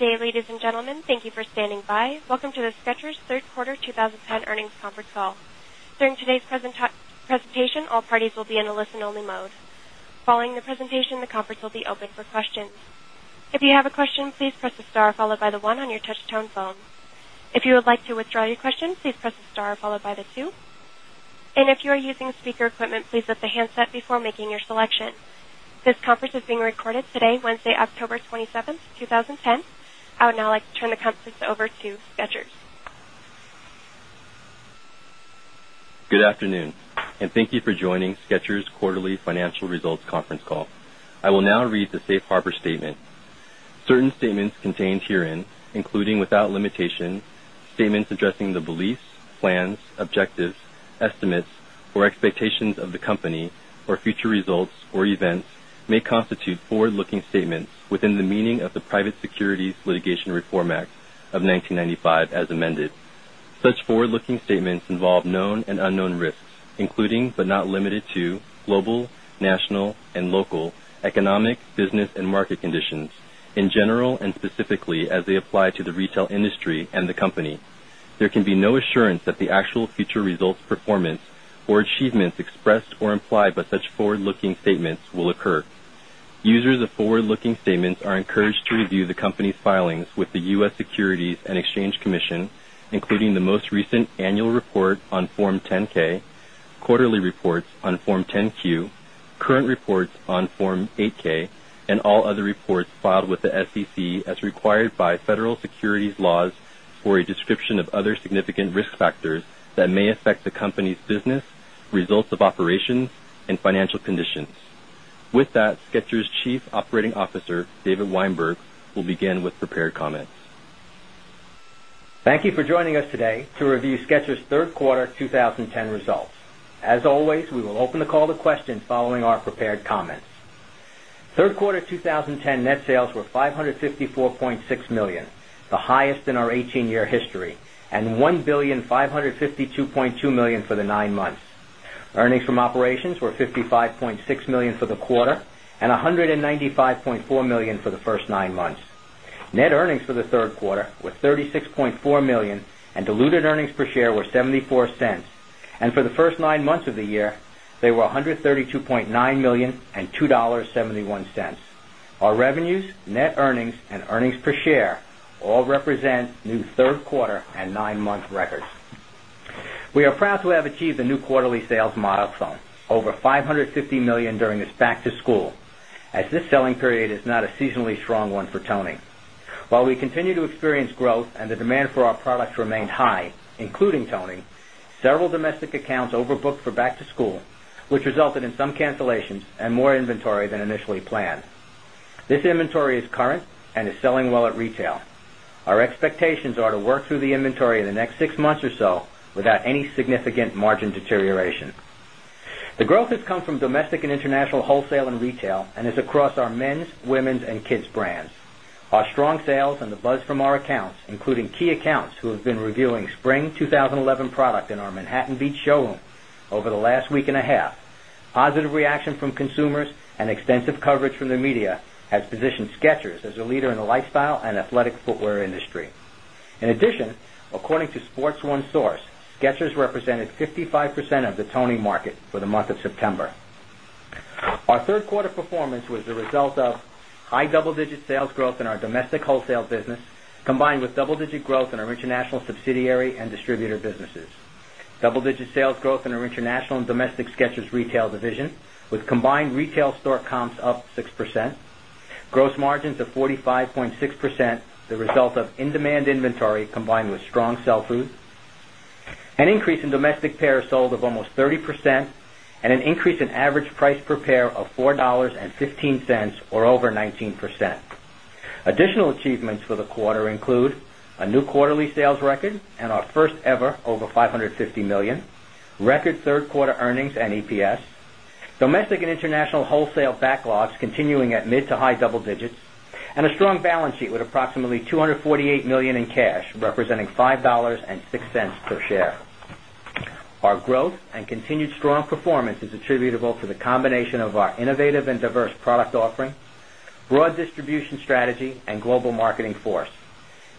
Good day, ladies and gentlemen. Thank you for standing by. Welcome to the SKECHERS Third Quarter 20 10 Earnings Conference Call. During today's presentation, all parties will be in a listen only mode. Following the presentation, the conference will be open for This conference is being recorded today, Wednesday, October 27, 2010. I would now like to turn the conference over to Skechers. Good afternoon and thank you for joining SKECHERS quarterly financial results conference call. I will now read the Safe Harbor statement. Certain statements contained herein, including without limitation, statements addressing the beliefs, plans, objectives, estimates or expectations of the company or future results or events may constitute forward looking statements within the meaning of the Private Securities Litigation Reform Act of 1995 as amended. Such forward looking statements involve known and unknown risks, including, but not limited to, global, national and local, economic, business and market conditions, in general and specifically as they apply to the retail industry and the company. There can be no assurance that the actual future results, performance or achievements expressed or implied by such forward looking statements will occur. Users of forward looking statements are encouraged to review the company's filings with the U. S. Securities and Exchange Commission, including the most recent annual report on Form 10 ks, quarterly reports on Form 10 Q, current reports on Form 8 ks and all other reports filed with the SEC as required by securities laws for a description of other significant risk factors that may affect the company's business, results of operations and financial conditions. With that, Skechers' Chief Operating Officer, David Weinberg, will begin with prepared comments. Thank you for joining us to review Skechers' Q3 2010 results. As always, we will open the call to questions following our prepared comments. 3rd quarter 2010 net sales were $554,600,000 the highest in our 18 year history and 1,552,200,000 dollars for the 9 months. Earnings from operations were $55,600,000 for the quarter and $195,400,000 for the 1st 9 months. Net earnings for the 3rd quarter were $36,400,000 and diluted earnings per share were $0.74 and for the 1st 9 months of the year, they were $132,900,000 and $2.71 Our revenues, net earnings and earnings per share all represent new 3rd quarter 9 month records. We are proud to have achieved a new quarterly sales milestone, over $550,000,000 during this back to school as this selling period is not a seasonally back to overbooked for back to school, which resulted in some cancellations and more inventory than initially planned. This inventory is current and is selling well at retail. Our expectations are to work through the inventory in the next 6 months or so without any significant margin The growth has come from domestic and international wholesale and retail and is across our men's, women's and kids brands. Our strong sales and the buzz from our accounts including key accounts who have been reviewing spring 2011 product in our Manhattan Beach showroom over the last week and a half, positive reaction from consumers and extensive coverage from the media has positioned SKECHERS as a leader in the lifestyle and athletic footwear industry. In addition, according to SportsOne source, SKECHERS represented 55% of the Tony market for the month of September. Our 3rd quarter performance was the result of high double digit sales growth in our domestic wholesale business combined with double digit growth in our international subsidiary and distributor businesses. Double digit sales growth in our international and domestic SKECHERS retail division with combined retail store comps up 6%, gross margins of 45.6%, the result of in demand inventory combined with strong sell through, an increase in domestic payers sold of almost 30% and an increase in average price per pair of $4.15 or over 19%. Additional achievements for the quarter include a new quarterly sales record and our first ever over $550,000,000 record 3rd quarter earnings and EPS, domestic and international wholesale backlogs continuing at mid to high double digits and a strong balance sheet with approximately $248,000,000 in cash, representing 5 $0.06 per share. Our growth and continued strong performance is attributable to the combination of our innovative and product offering, broad distribution strategy and global marketing force.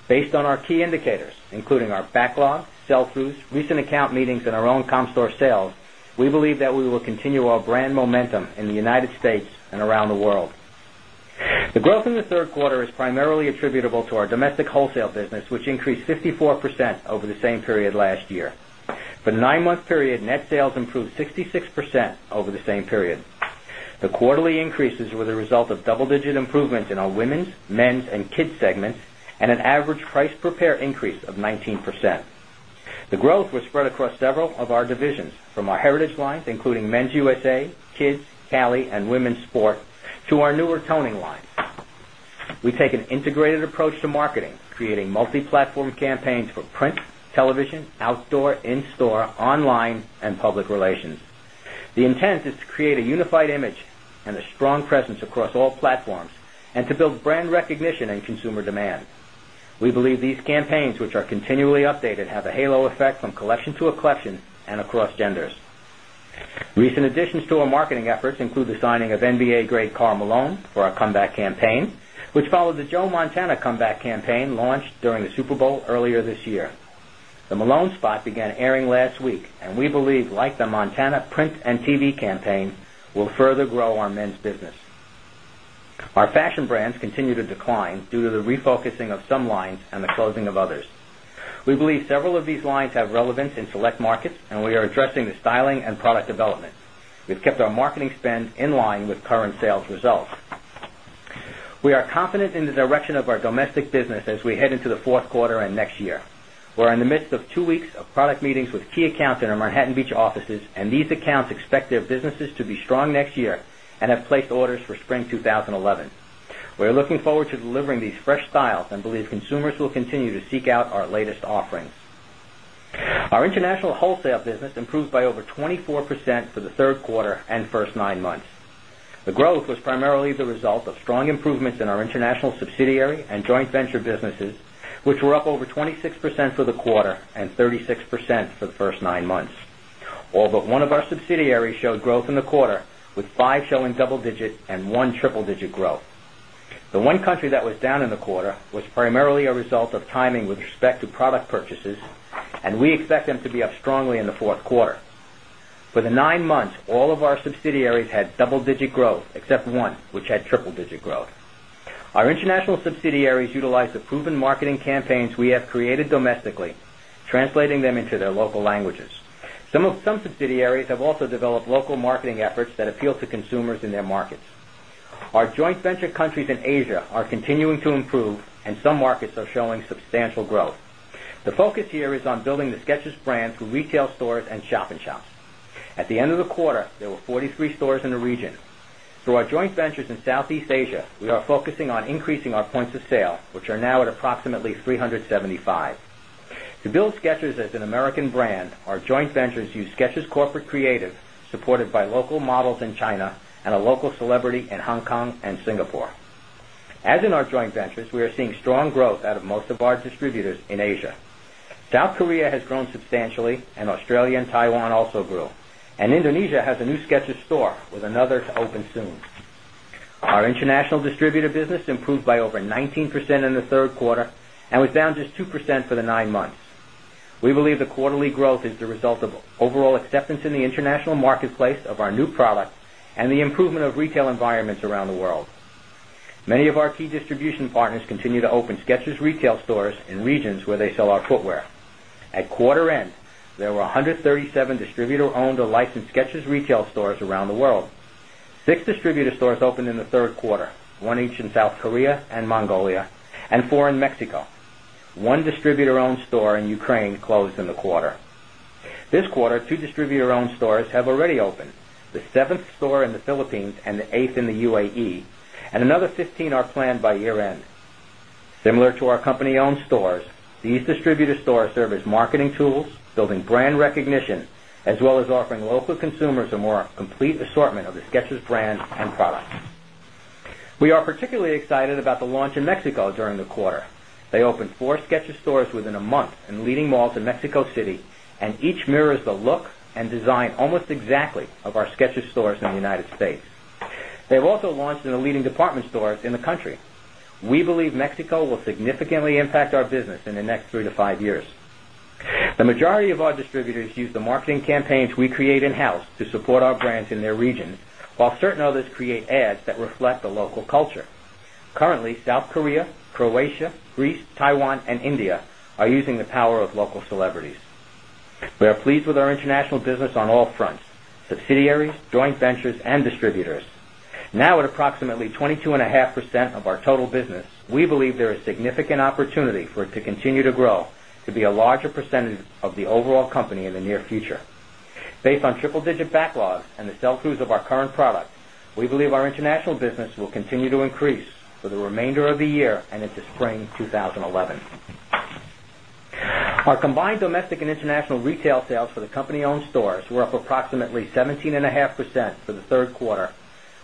Based on our key indicators, including backlog, sell throughs, recent account meetings and our own comp store sales, we believe that we will continue our brand momentum in the United States and around the world. The growth in the Q3 is primarily attributable to our domestic wholesale business, which increased 54% over the same period last year. For the For in our women's, men's and kids segments and an average price per pair increase of 19%. The growth was spread across several of our divisions from our heritage lines including men's USA, kids, Cali and women's sport to our newer toning lines. We take an integrated approach to marketing creating multi platform campaigns for print, television, outdoor, in store, online and public relations. The intent is to create a unified image and a strong presence across all platforms and to build brand recognition and consumer demand. We believe genders. Recent additions to our marketing efforts include the signing of NBA grade Karl Malone for our comeback campaign, which followed the Joe Montana comeback campaign launched during the Super Bowl earlier this year. The Malone spot began airing last week and we believe like the Montana print and TV campaign will further grow our men's business. Our fashion brands continue to decline due to the refocusing of some lines and the closing of others. We believe several of these lines have relevance in select markets and we are addressing the styling and product development. We've kept our marketing spend in line with current sales results. We are confident in the direction of our domestic business as we head into the Q4 and next year. We're in the midst of 2 weeks of product meetings with key accounts in our Manhattan Beach offices and these accounts expect their businesses to be strong next year and have placed orders for spring 20 11. We are looking forward to delivering these fresh styles and believe consumers will continue to seek out our latest offerings. Our international wholesale business international wholesale business improved by over 24% for the 3rd quarter and 1st 9 months. The growth was primarily the result of strong improvements our international subsidiary and joint venture businesses, which were up over 26% for the quarter and 36% for the 1st 9 months. All but one of our subsidiaries showed growth in the quarter with 5 showing double digit and 1 triple digit growth. The one country that was down in the quarter was primarily a result of timing with respect to product purchases and we expect them to be up strongly in the Q4. For the 9 months, all of our subsidiaries had double digit growth except one which had triple digit growth. Our international subsidiaries utilize the proven marketing campaigns we have created domestically, translating them into their local languages. Some subsidiaries have also developed local marketing efforts that appeal to consumers in their markets. Our joint venture countries in Asia are continuing to improve and some markets are showing substantial in the region. Through our joint ventures in Southeast Asia, we are focusing on in the region. Through our joint ventures in Southeast Asia, we are focusing on increasing our points of sale, which are now at approximately 3.75. To build SKECHERS as an American brand, our joint ventures use Skechers Corporate Creative supported by local models in China and a local celebrity in Hong Kong and Singapore. As in our joint ventures, we are seeing strong growth out of most of our distributors in Asia. South Korea has grown substantially and Australia and Taiwan also grew. And Indonesia has a new SKECHERS store with another to open soon. Our international distributor business improved by over 19% in the 3rd quarter and was down just 2% for 9 months. We believe the quarterly growth is the result of overall acceptance in the international marketplace of our new product and the improvement of retail environments around the world. Many of our key distribution partners continue to open SKECHERS retail stores in regions where they sell our footwear. At quarter end, there were 137 distributor owned or licensed SKECHERS retail stores around the world. 6 distributor stores opened in the 3rd quarter, 1 each in South Korea and Mongolia and 4 in Mexico. 1 distributor owned store in Ukraine closed in the quarter. This quarter 2 distributor owned stores have already opened, the 7th store in the Philippines and the 8th in the UAE and another 15 are planned by year end. Similar to our company owned stores, these distributor stores serve as marketing tools, building brand recognition as well as offering local consumers a more complete assortment of the SKECHERS brand and products. We are particularly excited about the launch in Mexico during the quarter. They opened 4 SKECHERS stores within a month and leading malls in Mexico City and each mirrors the look and design almost exactly of our Skechers stores in the United States. They've also launched in leading department stores in the country. We believe Mexico will significantly impact our business in the next 3 to 5 years. The majority of our distributors use the marketing campaigns we create in house to support our brands in their regions, while certain others create ads that reflect the local culture. Currently, South Korea, Croatia, Greece, Taiwan and India are using the power of local celebrities. We are pleased with believe there is significant opportunity for it to continue to grow to be a larger percentage of the overall company in the near future. Based on triple digit backlogs and the sell throughs of our product, we believe our international business will continue to increase for the remainder of the year and into spring 2011. Our combined domestic and and international retail sales for the company owned stores were up approximately 17.5% for the 3rd quarter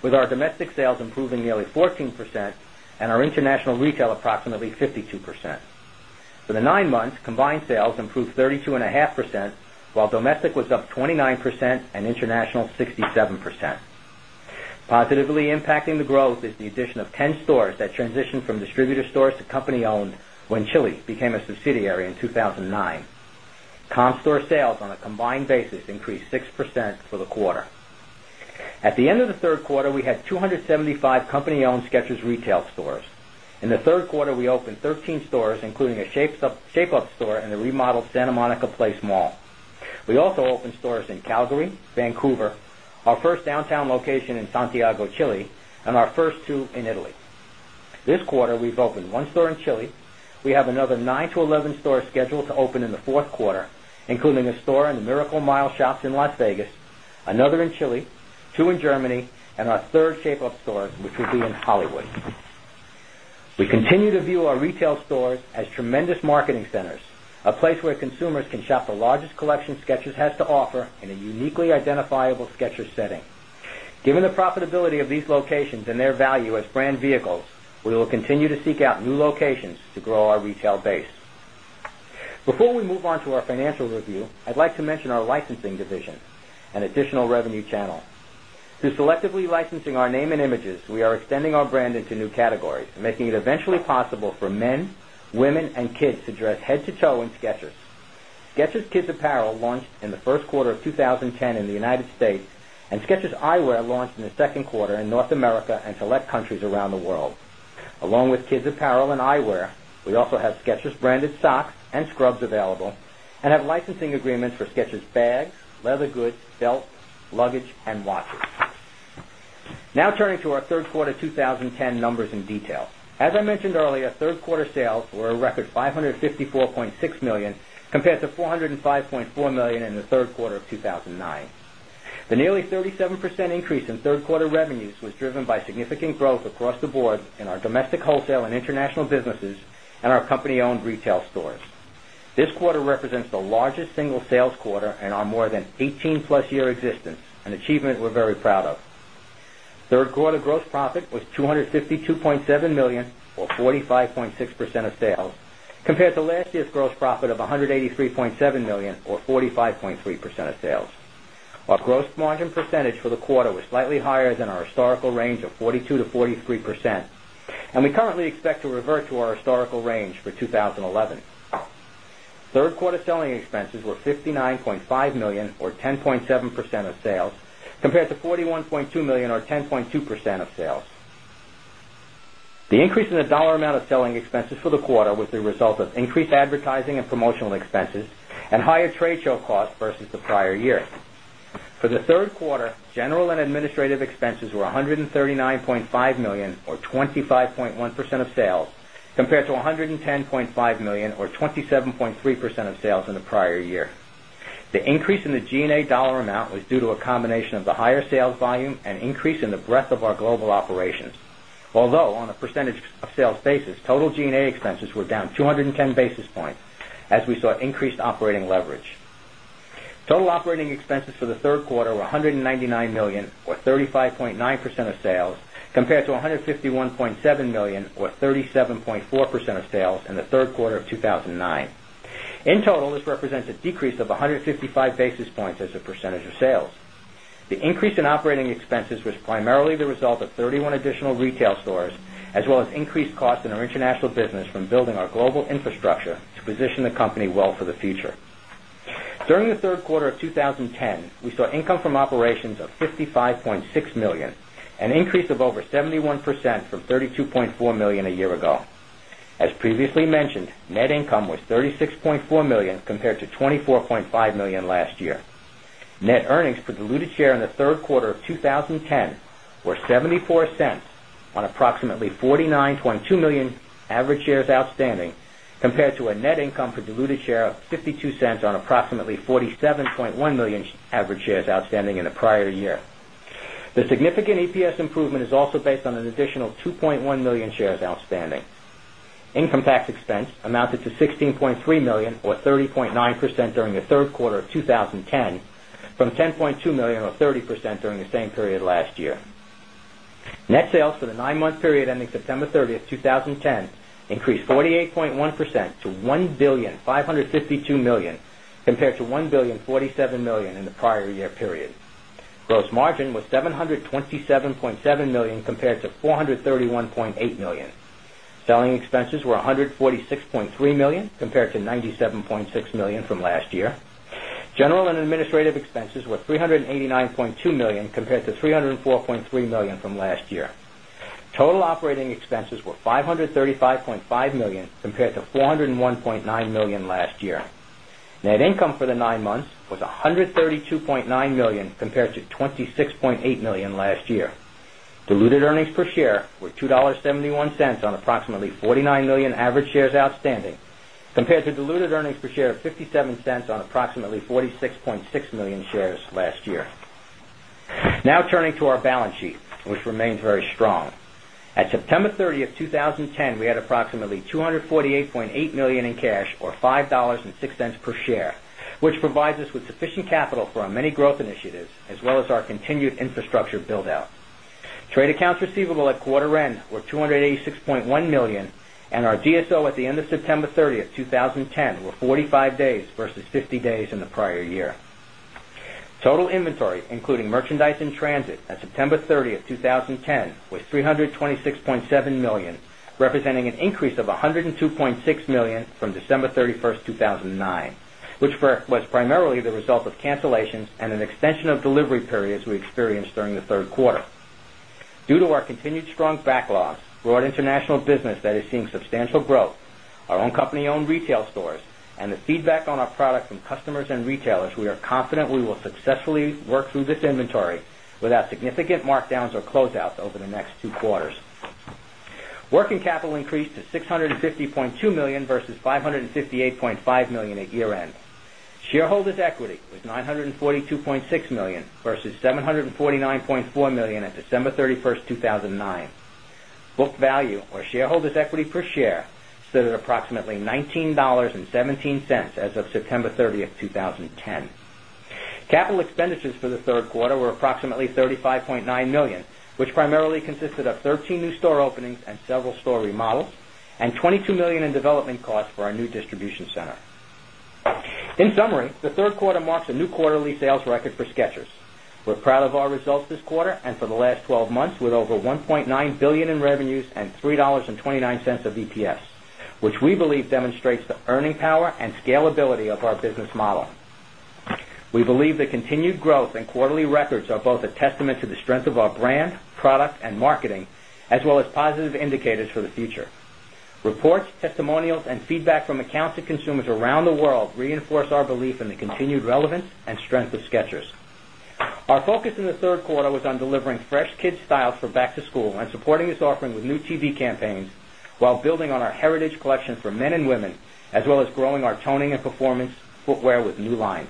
with our domestic sales improving nearly 14% and our international retail approximately 52%. For the 9 months, combined sales improved 32.5%, while domestic was up 29% and international 67%. Positively impacting the growth is the addition of 10 stores that transitioned from distributor stores to company owned when Chili's became a subsidiary in 2,009. Comp store sales on a combined basis increased 6% for the At the end of the Q3, we had 275 company owned SKECHERS retail stores. In the Q3, we opened 13 stores, including a Shape Ups store and remodeled Santa Monica Place Mall. We also opened stores in Calgary, Vancouver, our first downtown location in Santiago, Chile and our first two in Italy. This quarter, we've opened 1 store in Chile. We have another 9 to 11 stores scheduled to open in the Q4, including a store in the Miracle Mile Shops in Las Vegas, another in Chile, 2 in Germany and our 3rd shape up stores which would be in Hollywood. We continue to view our retail as tremendous marketing centers, a place where consumers can shop the largest collection SKECHERS has to offer in a uniquely identifiable SKECHERS setting. Given the Before we move on to our financial review, I'd like to mention our licensing division, an additional revenue channel. Through selectively licensing our name and images, we are extending our brand into new categories and making it eventually possible for men, women and kids to dress head to toe in SKECHERS. SKECHERS Kids Apparel launched in the Q1 of 2010 in the United States and SKECHERS Eyewear launched in the Q2 in North America and select countries around the world. Along with kids apparel and eyewear, we also have SKECHERS branded socks and scrubs available and have licensing agreements for SKECHERS bags, leather goods, belts, luggage and watches. Now turning to our Q3 20 10 numbers in detail. As I 20 percent increase in 3rd quarter revenues was driven by significant growth across the board in our domestic wholesale and international businesses and our company owned retail stores. This quarter represents the largest single sales quarter and our more than 18 plus year existence, an achievement we're very proud of. 3rd quarter gross was $252,700,000 or 45.6 percent of sales compared to last year's gross profit of $183,700,000 or 40 5.3 percent of sales. Our gross margin percentage for the quarter was slightly higher than our historical range of 42% to 43% and we currently expect to revert to our historical range for 20 11. 3rd quarter selling expenses were 59,500,000 dollars or 10.7 percent of sales compared to $41,200,000 or 10.2 percent of sales. The increase in the dollar amount of selling expenses for the quarter was the result of increased advertising and promotional expenses and higher trade show costs versus the prior year. For the Q3, general and administrative expenses were $139,500,000 or 25.1 percent of sales compared to $110,500,000 or 27.3 percent of sales in the prior year. The increase the G and A dollar amount was due to a combination of the higher sales volume and increase in the breadth of our global operations. Although on a percentage of sales basis, total G and A expenses were 2 10 basis points as we saw increased operating leverage. Total operating expenses for the Q3 were $199,000,000 or 35.9 percent of sales compared to $151,700,000 or 37.4 percent of sales in the Q3 of 2,009. In total, this decrease of 155 basis points as a percentage of sales. The increase in operating expenses was primarily the result of 31 additional retail stores as well as increased cost in our international business from building our global infrastructure to position the company well for the future. During the 3rd quarter of 2010, we saw income from operations of $55,600,000 an increase of over 71% from $32,400,000 a year ago. As previously mentioned, net income was $36,400,000 compared to $24,500,000 last year. Net earnings per diluted share in of 2010 were $0.74 on approximately 49,200,000 average shares outstanding compared to a net income per diluted share of $0.52 on approximately 47,100,000 average shares outstanding in the prior year. The significant EPS improvement is also based on an additional 2,100,000 shares outstanding. Income tax expense amounted to $16,300,000 or 30.9 percent during the Q3 of 2010 from $10,200,000 or 30% during the same period last year. Net sales for the 9 month period ending September 30, 2010 increased 48.1 percent to 1,552,000,000 dollars compared to $1,047,000,000 in the prior year period. Gross margin was $727,700,000 compared to 4 $31,800,000 Selling expenses were $146,300,000 compared to $97,600,000 from last year. General and administrative expenses were $389,200,000 compared to $304,300,000 from last year. Total operating expenses were $535,500,000 compared to $401,900,000 last year. Net income for the 9 months was $132,900,000 compared to $26,800,000 last year. Diluted earnings per share were $2.71 on approximately 49,000,000 average shares outstanding compared to diluted earnings per share of $0.57 on approximately 46,600,000 shares last year. Now turning to our balance sheet, which remains very strong. At September 30, 2010, we had approximately $248,800,000 in cash or $5.06 per share, which provides us with sufficient capital for our many growth initiatives as well as our continued infrastructure build out. Trade accounts receivable at quarter end were $286,100,000 and our DSO at the end of September 30, 2010 were 45 days versus 50 days in the prior year. Total inventory including merchandise in transit at September 30, 2010 was $326,700,000 representing an increase of $102,600,000 from December 31, 2009, which was primarily the result of cancellations and an extension of delivery periods we experienced during the Q3. Due to our continued strong backlogs, broad international business that is seeing substantial growth, our own company owned retail stores and the feedback on our products from customers and retailers, we are confident we will successfully work through this inventory without significant markdowns or closeouts over the next two quarters. Working capital increased to $650,200,000 versus 558.5 at year end. Shareholders' equity was $942,600,000 versus $749,400,000 at December 31, 2000 and 9. Book value or shareholders' equity per share stood at approximately $19.17 as of September 30, 2010. Capital expenditures for the Q3 were approximately $35,900,000 which primarily consisted of 13 new store openings and several store remodels and $22,000,000 in development costs for our new distribution center. In summary, the Q3 marks a new quarterly sales record for Skechers. We're proud of our results this quarter and for the last 12 months with over $1,900,000,000 in revenues and 3.29 dollars of EPS, which we believe demonstrates the earning power and scalability of our business model. We believe the continued growth and quarterly records are both a testament to the strength of our brand, product and marketing as well as positive indicators for the future. Reports, testimonials and feedback from accounts and consumers around the world reinforce our belief in the continued relevance and strength of SKECHERS. Our focus in the Q3 was on delivering fresh kids' styles for back to school and supporting this offering with new TV campaigns, while building on our heritage collection for men and women, as well as growing our toning and performance footwear with new lines,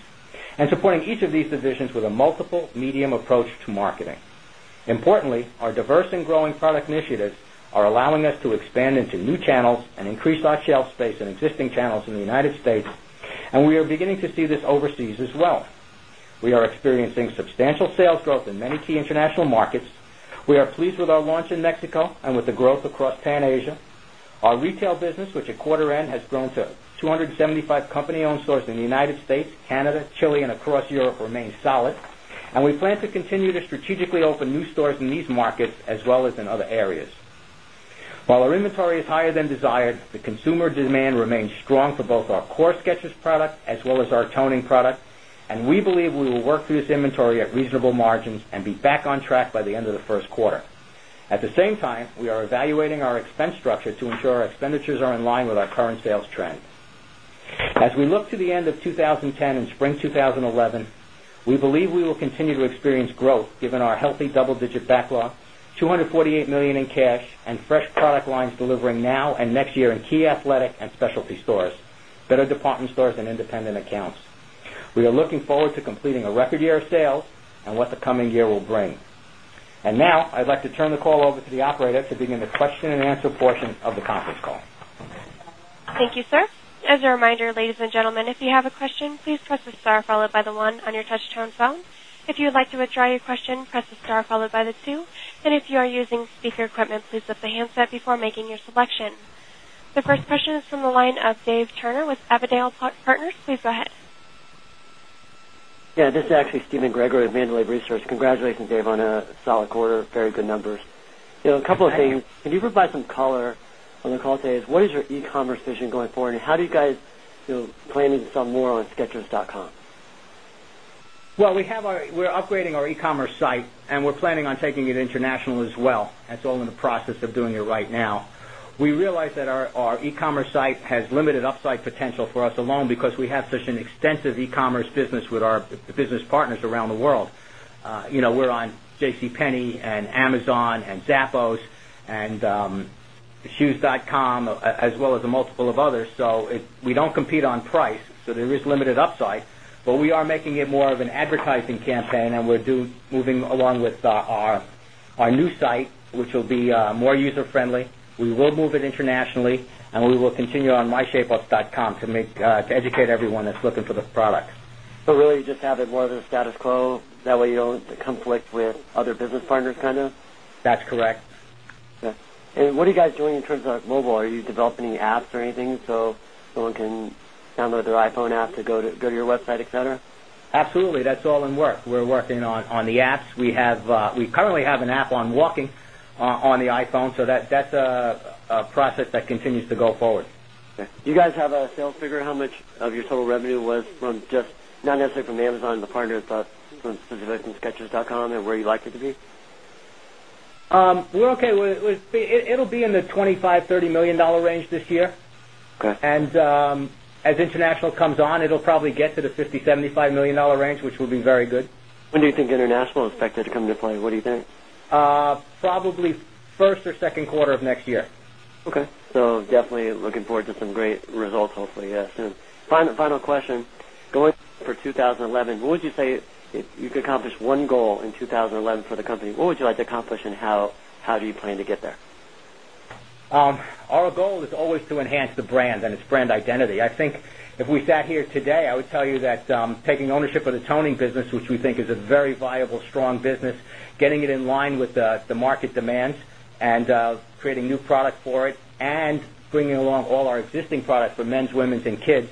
and supporting each of these positions with a new channels and increase our shelf space in existing channels in the United States and we are beginning to see this overseas as well. We are experiencing substantial sales growth in many key international markets. We are pleased with our launch in Mexico and with the growth across Pan Asia. Our retail business, which at quarter end has grown to 275 company owned stores in the United States, Canada, Chile and across Europe remain solid. And we plan to strategically open new stores in these markets as well as in other areas. While our inventory is higher than desired, the consumer demand remains strong for both our core SKECHERS product as well as our toning product and we believe we will work through this inventory at reasonable margins and be back on track by the end of the Q1. At the same time, we are evaluating our expense structure to ensure our expenditures are in line with our current sales trend. As we look to the end of 2010 and spring 2011, we believe we will continue to experience growth given our healthy double digit backlog, $248,000,000 in cash and fresh product lines delivering now and next year in key athletic and specialty stores, better department stores and independent accounts. We are looking forward to completing a record year of sales and what the coming year will bring. And now I'd like to turn the call over to the operator to begin the question and answer portion of the conference call. Thank you, sir. The first question is from the line of Dave Turner with Avadel Partners. Please go ahead. Yes. This is actually Steven Grego with Mandalay Research. Congratulations Dave on a solid quarter, very good numbers. A couple of things. Can you provide some color on the call today? What is your e commerce vision going forward? And how do you guys plan to sell more on sketchips.com? Well, we have our we're upgrading our e commerce site and we're planning on taking it international as well. That's all in the process of doing it right now. We realize that our e commerce site has limited upside potential for us alone because we have such an extensive e commerce business with our business partners around the world. We're on JCPenney and Amazon and Zappos and Shoes.com as well as a multiple of others. So we don't compete on price, so there limited upside. But we are making it more of an advertising campaign and we're moving along with our new site, which will be more user friendly. We will move it internationally and we will continue on myshapeups.com to make to educate everyone that's looking for the products. So really just have it more of a status quo that way you don't conflict with other business partners kind of? That's correct. Okay. And what are you guys doing in terms of mobile? Are you developing apps or anything so no one can download their iPhone app to go to your website, etcetera? Absolutely. That's all in work. We're working on the apps. We have we currently have an app on walking on the iPhone. So that's a process that continues to go forward. Okay. Do you guys have a sales figure? How much of your total revenue was from just not necessarily from Amazon and the partners but from specific in sketches.com and where you like it to be? We're okay. It will be in the $25,000,000 $30,000,000 range this year. And as international comes on, it'll probably get to the $50,000,000 $75,000,000 range, which will be very good. When do you think international expected to come into play? What do you think? Probably 1st or Q2 of next year. Okay. So definitely looking forward to some great results hopefully soon. Final question, going for 2011, what would you say if you could accomplish one goal in 2011 for the company, what would you like to accomplish and how do you plan to get there? Our goal is always to enhance the brand and its brand identity. I think if we sat here today, I would tell you that taking ownership of the of the toning business, which we think is a very viable strong business, getting it in line with the market demands and creating new product for it and bringing along all our existing products for men's, women's and kids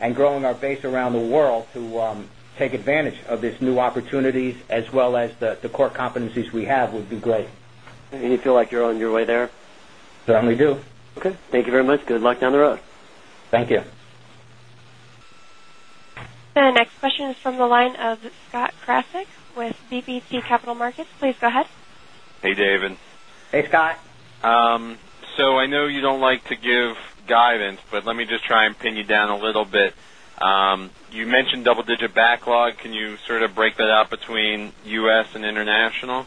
and growing our base around the world to take advantage of these new opportunities as well as the core competencies we have would be great. And you feel like you're on your way there? Certainly do. Okay. Thank you very much. Good luck down the road. Thank you. The next question is from the line of Scott Krasek with DBT Capital Markets. Please go ahead. Hey, David. Hey, Scott. So I know you don't like to give guidance, but let me just try and pin you down a little bit. You mentioned double digit backlog. Can you sort of break that out between U. S. And international?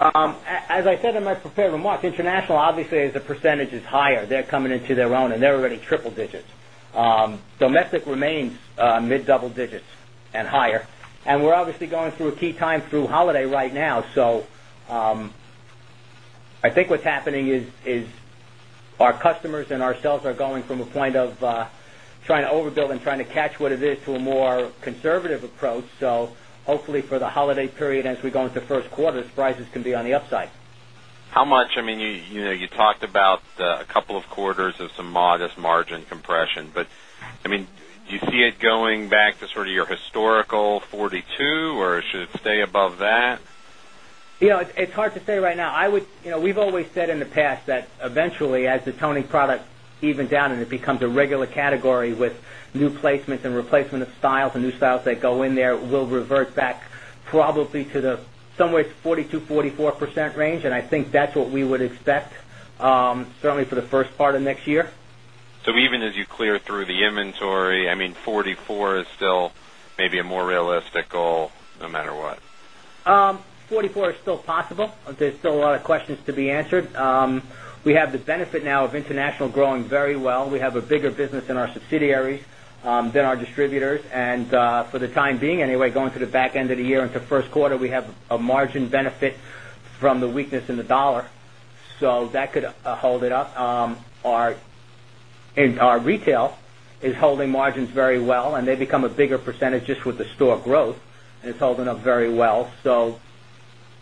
As I said in my prepared remarks, international, obviously, as a percentage is higher. They're coming into their own and they're already triple digits. Domestic remains mid double digits and higher. And we're obviously going through a key time through holiday right now. So I think what's happening is our customers and ourselves are going from a point of trying to overbuild and trying Q1, period as we go into Q1, prices can be on the upside. How much? I mean, you talked about a couple of quarters of some modest or should it stay above that? It's hard to say right now. I would we've always said in the past that eventually as the toning product evens down and it becomes a regular category with new placements and replacement of styles and new styles that go in there, we'll revert back probably to the somewhere it's 40% to 44% range. And I think that's what we would expect certainly for the 1st part of next year. So even as you clear through the inventory, I mean 40 4% is still maybe a more realistic goal no matter what? 44% is still possible. There's still lot of questions to be answered. We have the benefit now of international growing very well. We have a bigger business in our subsidiaries than our it up. Our retail is it up. Our retail is holding margins very well and they become a bigger percentage just with the store growth and it's holding up very well. So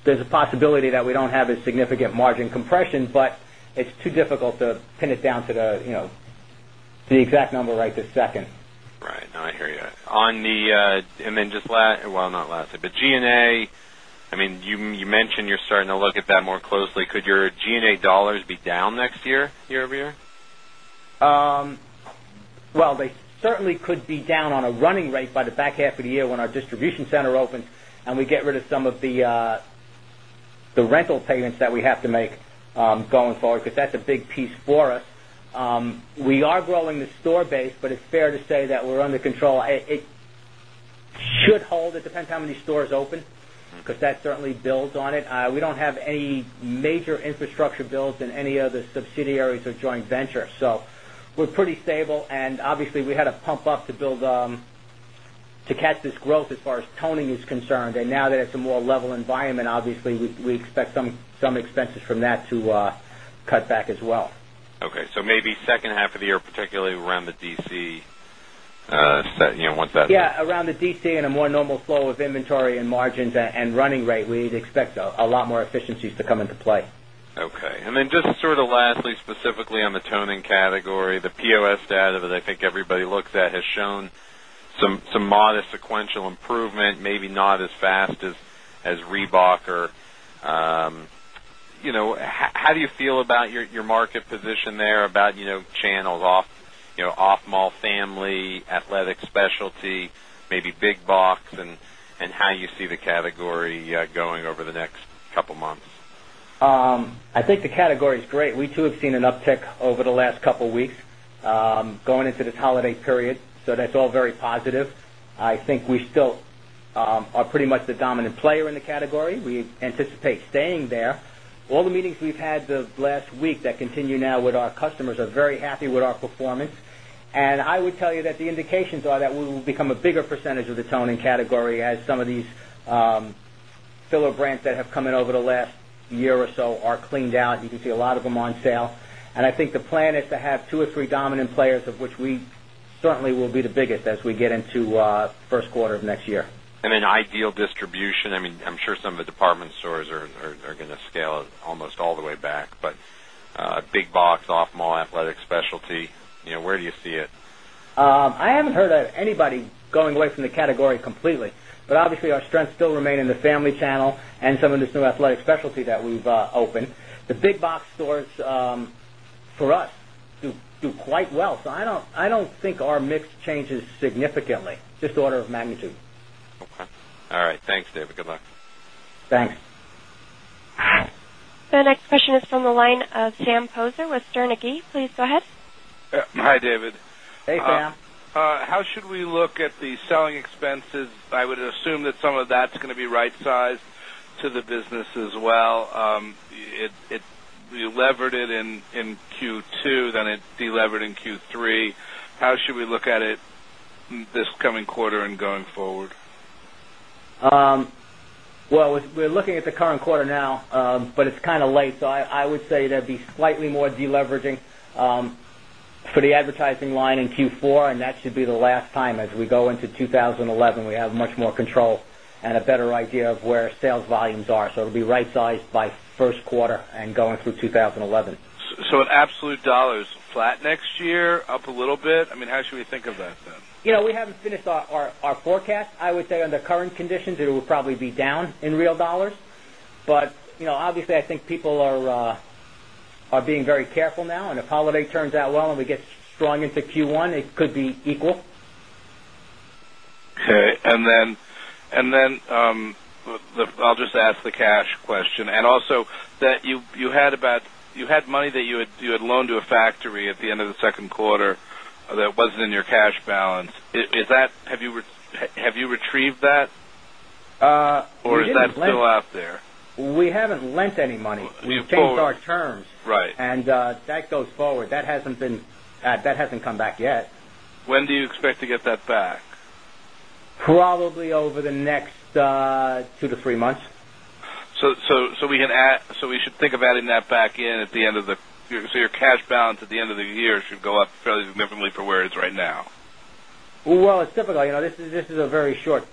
there's a possibility that we don't have a significant margin compression, but it's too difficult to pin it down to the exact number right this second. Right. I hear you. On the and then just last well, not lastly, but G and A, I mean, you mentioned you're starting to look at that more closely. Could your G and A dollars be down next year, year over year? Well, they certainly could be down on a running rate by the back half of the year when our distribution center opens and we get rid of some of the rental payments that we have to make going forward because that's a big piece for us. We are growing the store base, but it's fair to say that we're under control. It should hold. It depends how many stores open because that certainly builds on it. We don't have any major infrastructure builds in any other subsidiaries or joint venture. So pretty stable. And obviously, we had to pump up to build to catch this growth as far as toning is concerned. And now that it's a more level environment, obviously, we expect some expenses from that to cut back as well. Okay. So maybe second half of the year, particularly around the DC set, once that Yes, around the DC and a more normal flow of inventory and margins and running rate, we'd expect a lot more efficiencies to come into play. Okay. And then just sort of lastly, specifically on the toning category, the POS data that I think everybody looks at has shown some modest sequential improvement, maybe not as fast as Reebok or how do you feel about your market position there about channels off mall family, athletic specialty, maybe big box and how you see the category going over the next couple of months? Last couple of weeks going into this holiday period. So that's all very positive. I think we still are pretty much the dominant player in the category. We anticipate become a become a bigger percentage of the toning category as some of these filler brands that have come in over the last year or so are cleaned out. You can see a of them on sale. And I think the plan is to have 2 or 3 dominant players of which we certainly will be the biggest as we get into Q1 of next year. And then ideal distribution, I mean, I'm sure some of the department stores are going to scale almost all the way back, but big box, off mall, athletic specialty, where do you see it? I haven't heard of anybody going away from the category completely, but obviously, obviously, our strength still remain in the family channel and some of this new athletic specialty that we've opened. The big box stores for us do quite well. So I don't think our mix changes significantly, just order of magnitude. Okay. All right. Thanks, David. Good luck. Thanks. The next question is from the line of Sam Poser with Stern Gerber. Please go ahead. Hi, David. Hey, Sam. How should we look at the selling expenses? I would assume that some of that's going to be right sized to the business as well. It levered it in Q2, then it delevered in Q3. How should we look at it this coming quarter and going forward? Well, we're looking at the current quarter now, but it's kind of late. So I would say there'd be slightly more deleveraging for the advertising line in Q4 and that should be the last time as we go into 2011, we have much more control and a better idea of where sales volumes are. So it will be right sized by Q1 and going through 2011. So in absolute dollars flat next year, up a little bit. I mean, how should we think of that then? We haven't finished our forecast. I would say under current conditions, it will probably be down in real dollars. But obviously, I think people are being very careful now. And if holiday turns out well and we get strong into Q1, it could be equal. Okay. And then I'll just ask the cash question. And also that you had about you had money that you had loaned to a factory at the end of the second quarter that wasn't in your cash balance. Is that have you retrieved that or is that still out there? We That hasn't come back yet. When do you expect to get that back? Probably over the next 2 to 3 months. So we should think of adding that back in at the end of the so your cash balance at the end of the year should go up fairly significantly for where it's right now? Well, it's typical. This is a very short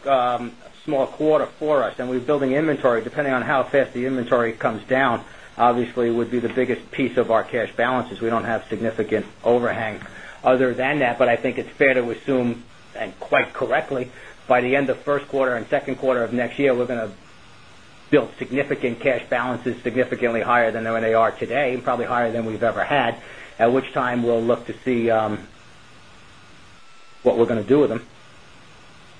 small quarter for us and we're building inventory depending on how fast the inventory comes down, obviously, would be the biggest piece of our cash balances. We don't have significant overhang other than that, but I think it's fair to assume and quite correctly by the end of Q1 and Q2 of next year, we're going to build significant cash balances significantly higher than they are today and probably higher than we've ever had, at which time we'll look to see what we're going to do with them.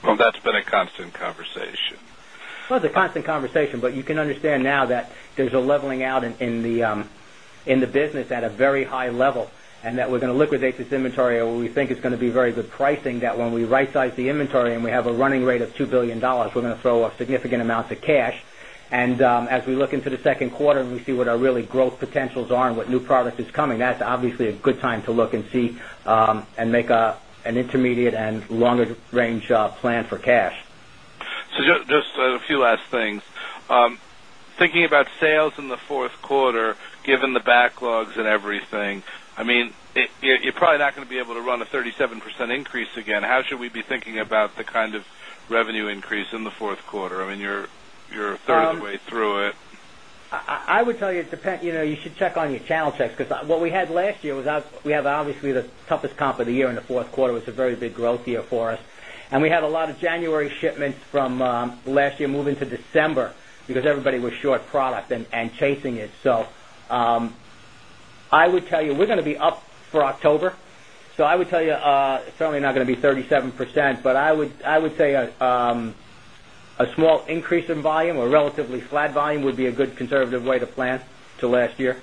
Well, that's been a constant conversation. Well, it's a constant conversation, but you can understand now that there's a leveling out in the business at a very high level and that we're going to liquidate this inventory or we think it's going to be very good pricing that when we right size the inventory and we have a running rate of $2,000,000,000 we're going to throw a significant amount of cash. And as we look into the Q2 and we see what our really growth potentials are and what new product is coming, that's obviously a good time to look and see and make an intermediate and longer range plan for cash. So just a few last things. Thinking about sales in the Q4, given the backlogs and everything, I mean, you're probably not going to be able to run a 37% increase again. How should we be thinking about the kind of revenue increase in the Q4? I mean, you're a third of the way through it. I would tell you it depends you should check on your channel checks because what we had last year was we have obviously the toughest comp of the year in Q4 was a very big growth year for us. And we had a lot of January shipments from last year moving to December because everybody was short be 37%, but I would say a small increase in volume or relatively flat volume would be a good conservative way to plan to last year.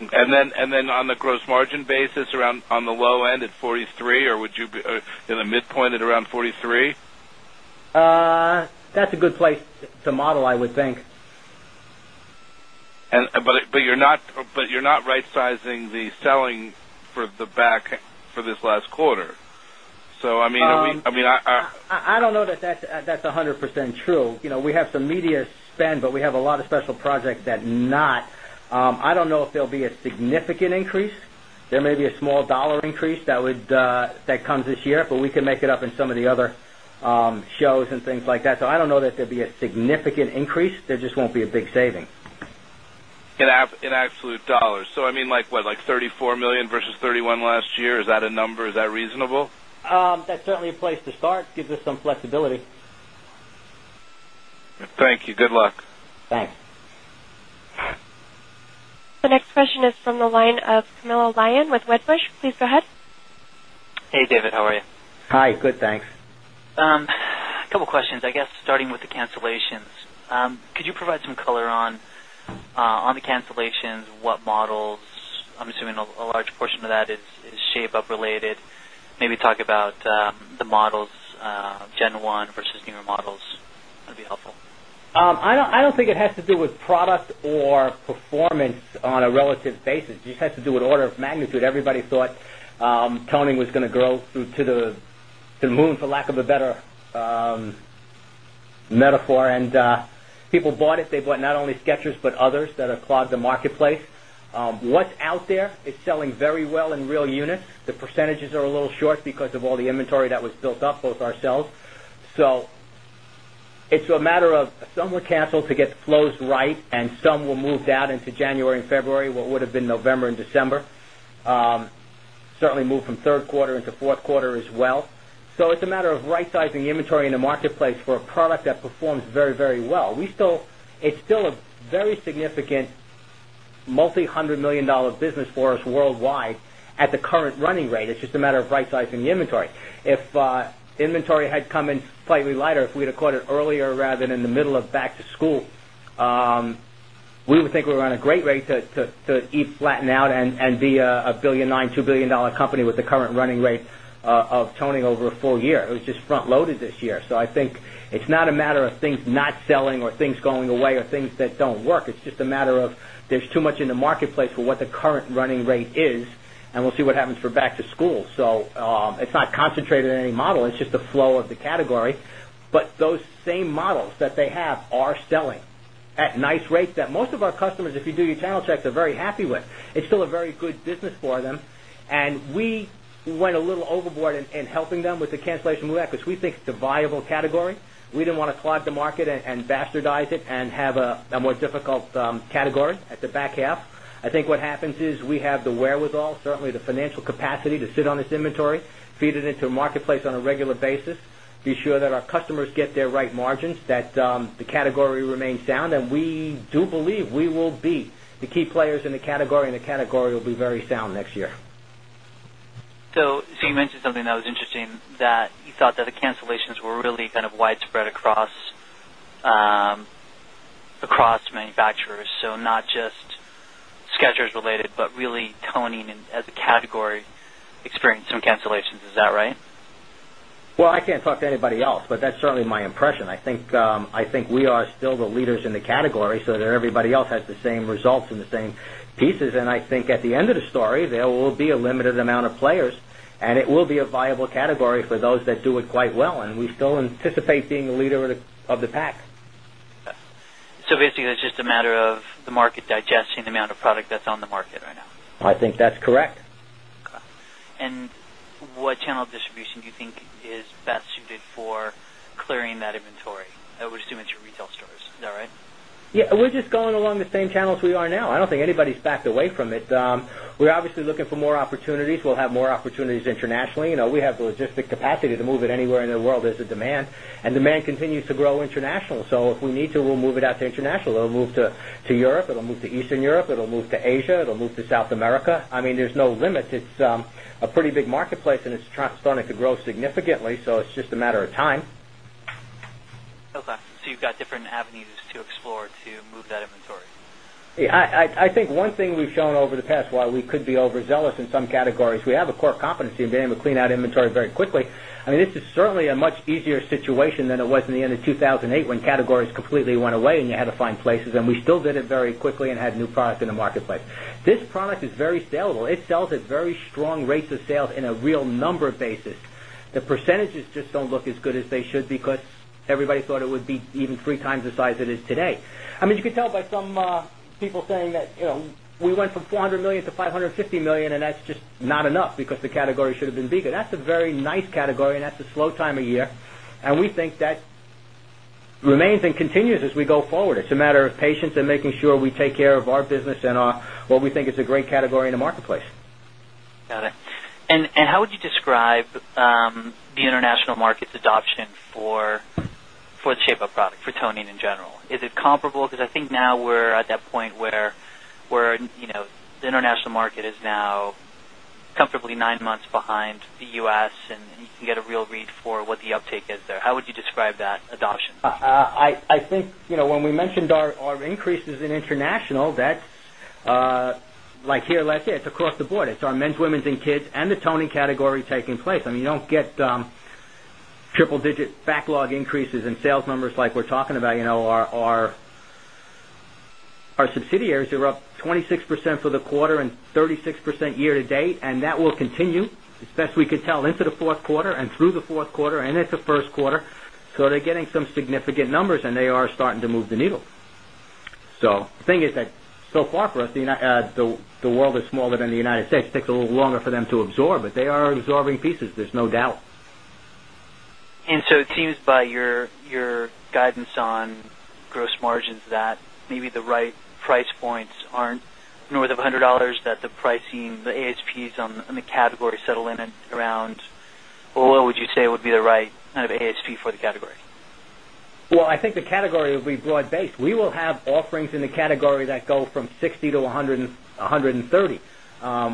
And then on the gross margin basis around on the low end at 43% or would you be in the midpoint at around 43%? That's a good place to model, I would think. But you're not rightsizing the selling for the back for this last quarter. So I mean, I I don't know that that's 100% true. We have some media spend, but we have a lot of special projects that not. I don't know if there'll be a significant increase. There may be a small dollar increase that would that comes this year, but we can make it up in some of the other dollar increase that would that comes this year, but we can make it up in some of the other shows and things like that. So I don't know that there'll be a significant increase. There just won't be a big savings. In absolute dollars. So I mean like what like $34,000,000 versus $31,000,000 last year, is that a number, is that reasonable? That's certainly a place to start. It gives us some flexibility. Thank you. Good luck. Thanks. The next question is from the line of Camilo Lyon with Wedbush. Please go ahead. Hey, David. How are you? Hi, good. Thanks. Couple of questions. I guess starting with the with the cancellations. Could you provide some color on the cancellations? What models, I'm assuming a large portion of that is shape up related? Gen 1 versus newer models? That would be helpful. I don't think it has to do with product or performance on a relative basis. It just has to do with order of magnitude. Everybody thought toning was going to grow through to the moon for lack of a better metaphor and people bought it. They bought not only SKECHERS, but others that have clogged the marketplace. What's out there is selling very well in real units. The percentages are a little short because of all the inventory that was built up both ourselves. So it's a matter of some were canceled to get flows right and some were moved out into January February, what would have been November December, certainly moved from Q3 into Q4 as well. So it's a matter of rightsizing inventory in the marketplace for a product that performs It's just a matter of rightsizing the inventory. If inventory had come in slightly lighter, if we'd have caught it earlier rather than in the middle of back to school, we would think we're on a great rate to eat, flatten out and be a $1,900,000,000 $2,000,000,000 company with the current running rate of toning over a full year. It was just front loaded this year. So I think it's not a matter of things not selling or things going away or things that don't work. It's just a matter of there's too much in the marketplace for what the current running rate is and we'll see what happens for back to school. So it's not concentrated in any model. It's just the flow of the category. But those same models that they have are selling at nice rates that most of our customers if you do your channel checks are very happy with. It's still a very good business for them. And we went a little overboard in helping them with the cancellation move out because we think it's a viable category. We didn't want to clog the market and bastardize it and have a more difficult category at the back half. I think what happens is we have the where with all, certainly the financial capacity to sit on this inventory, feed it into marketplace on a regular basis, be sure that our customers get their right margins, that the category remains sound. And we do believe we will be the key players in the category and the category will be very sound next year. So you mentioned something that was interesting that you thought that the cancellations were really kind of widespread across manufacturers. So not just SKECHERS related, but really toning as a category I think we are still the leaders in the category so that everybody else has the same results and the same pieces. And I think at the end of the story, there will be a limited amount of players and it will be a viable category for those that do it quite well and we still anticipate being the leader of the pack. So basically, it's just a matter of the market digesting the amount of product that's on the market right now? I think that's correct. Okay. Amount of product that's on the market right now? I think that's correct. Okay. And what channel distribution do you think is best suited for clearing that inventory? I would assume it's your retail stores. Is that right? Yes. We're just that inventory? I would assume it's your retail stores, is that right? Yes. We're just going along the same channels we are now. I don't think anybody's backed away from it. We're obviously looking for more opportunities. We'll have more opportunities internationally. We have the logistic capacity to move it anywhere in the world as a demand. And demand continues to grow international. It will move to Europe, it will move to Eastern Europe, it will move to Asia, it will move to South America. I mean, there's no limit. It's a pretty big marketplace and it's starting to grow significantly. So it's just a matter of time. Okay. So you got different avenues to explore to move that inventory? Yes. I think one thing we've shown over the past, while we could be overzealous in some categories, we have a core competency in being able to clean out inventory very quickly. I mean, this is certainly a much easier situation than it was in the end of 2,008 when categories completely went away and you had to find places and we still did very quickly and had new products in the marketplace. This product is very saleable. It sells at very strong rates of sales in a real number basis. The percentages just don't look as good as they should because everybody thought it would be even 3 times the size it is today. I mean, you can tell by some people saying that we went from $400,000,000 to $550,000,000 and that's just not enough because the category should have been vegan. That's a very nice category and that's a slow time of year. And we think that remains and continues as we go forward. It's a matter of patience and making sure we take care of our business and what we think is a great category in the marketplace. Got it. And how would you describe the international market adoption for the shape of product for toning in general? Is it comparable? Because I think now we're at that point where the international market is now comfortably 9 months behind the U. S. And you can get a real read for what the uptake is there. How would you describe that adoption? I think when we mentioned our increases in international, that's like here last year, it's across the board. It's our men's, women's and kids and the toning category taking place. I mean, you don't get triple digit backlog increases in sales numbers like we're talking about. Our subsidiaries are up 26% for the quarter and 36% year to date and that will continue as best we could tell into the Q4 and through the Q4 and into the Q1. So they're getting some significant numbers and they are starting to move the needle. So the thing is that so far for us, the world is smaller than the United States. It takes a little longer for them to absorb, but they are absorbing pieces. There's no doubt. And so, it seems by your $100 that the pricing, the ASPs on the category settle in around or what would you say would be the right kind of ASP for the category? Well, I think the category will be broad based. We will have offerings in the category that go from 60 to 130.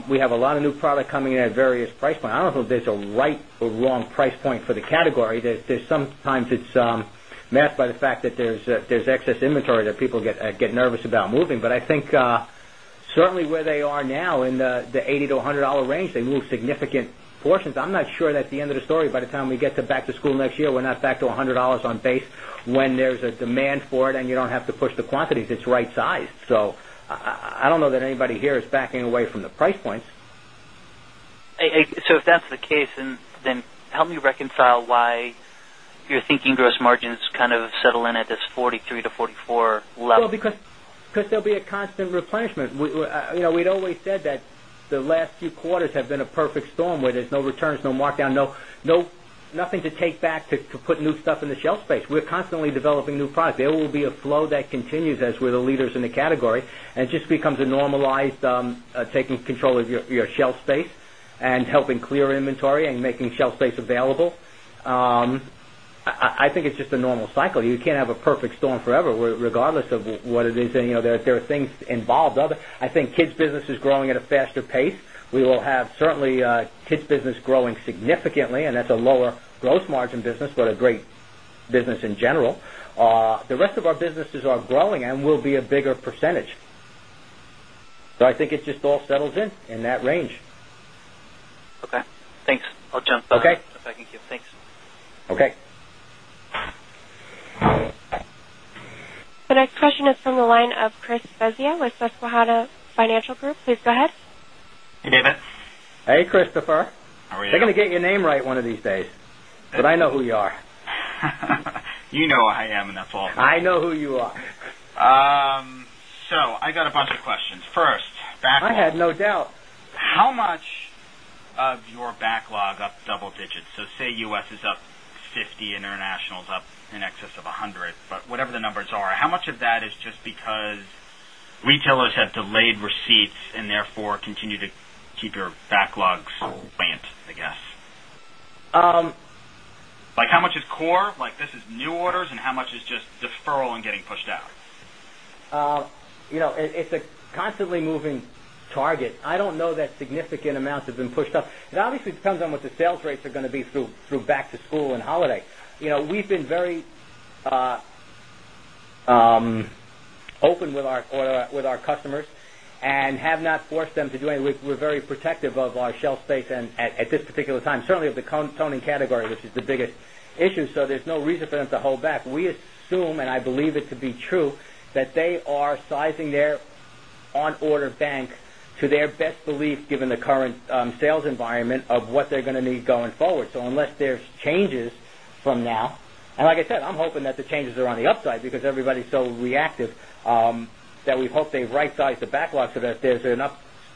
We have a lot of new product coming in at various price points. I don't know if there's a right or wrong price point for the category. There's sometimes it's masked by the fact that there's excess inventory that people get nervous about moving. But I think certainly where they are now in the $80 to $100 range, they move significant portions. I'm not sure that at the end of the story, by the time we get to back to school next year, we're not back to $100 on base when there's a demand for it and you don't have to push the quantities, it's right sized. So I don't know that anybody here is backing away from the price points. So if that's the case, then help me reconcile why you're thinking gross margins kind of settle in at this 43% to 44% level? Well, because there'll be a constant replenishment. We'd always said that the last few quarters have been a perfect storm where there's no returns, no markdown, no nothing to take back to put new stuff in the shelf space. We're constantly developing new products. There will be a flow that continues as we're the leaders in the category and just becomes a normalized taking control of your shelf space and helping clear inventory and making shelf space available. I think it's just a normal cycle. You can't have a perfect storm forever regardless of what it is. There are things involved. I think kids business is growing at a faster pace. We will have certainly kids business growing significantly and that's a lower gross margin business, but a great business in general. The rest of our businesses are I'll jump in the second queue. Thanks. Okay. The next question is from the line of Chris Svezia with Susquehanna Financial Group. Please go ahead. Hey, David. Hey, Christopher. How are you? They're going to get your name right one of these days, but I know who you are. You know who I am and that's all. I know who you are. So, I got a bunch of questions. First, backlog I had no doubt. How much of your backlog up double digits? So say U. S. Is up 50, international is up in excess of 100, but whatever the numbers are, how much of that is just because retailers have delayed receipts and therefore continue to keep your backlogs planned, I guess? Like how much is core, like this is new orders and how much is just deferral and getting pushed out? It's a constantly moving target. I don't know that significant amounts have been pushed up. It obviously depends on what the sales rates are going to be through to school and holiday. We've been very open with our customers and have not forced them to do anything. We're very protective of our shelf space and at this particular time, certainly of the toning category, which is the biggest issue. So there's no reason for them to hold back. We assume and I believe it to be true that they are sizing their on order bank to their best belief given the current sales environment of what they're going to need going forward. So unless there's changes from now and like I said, I'm hoping that the changes are on the upside because everybody is so reactive that we hope they've rightsized the backlog so that there's an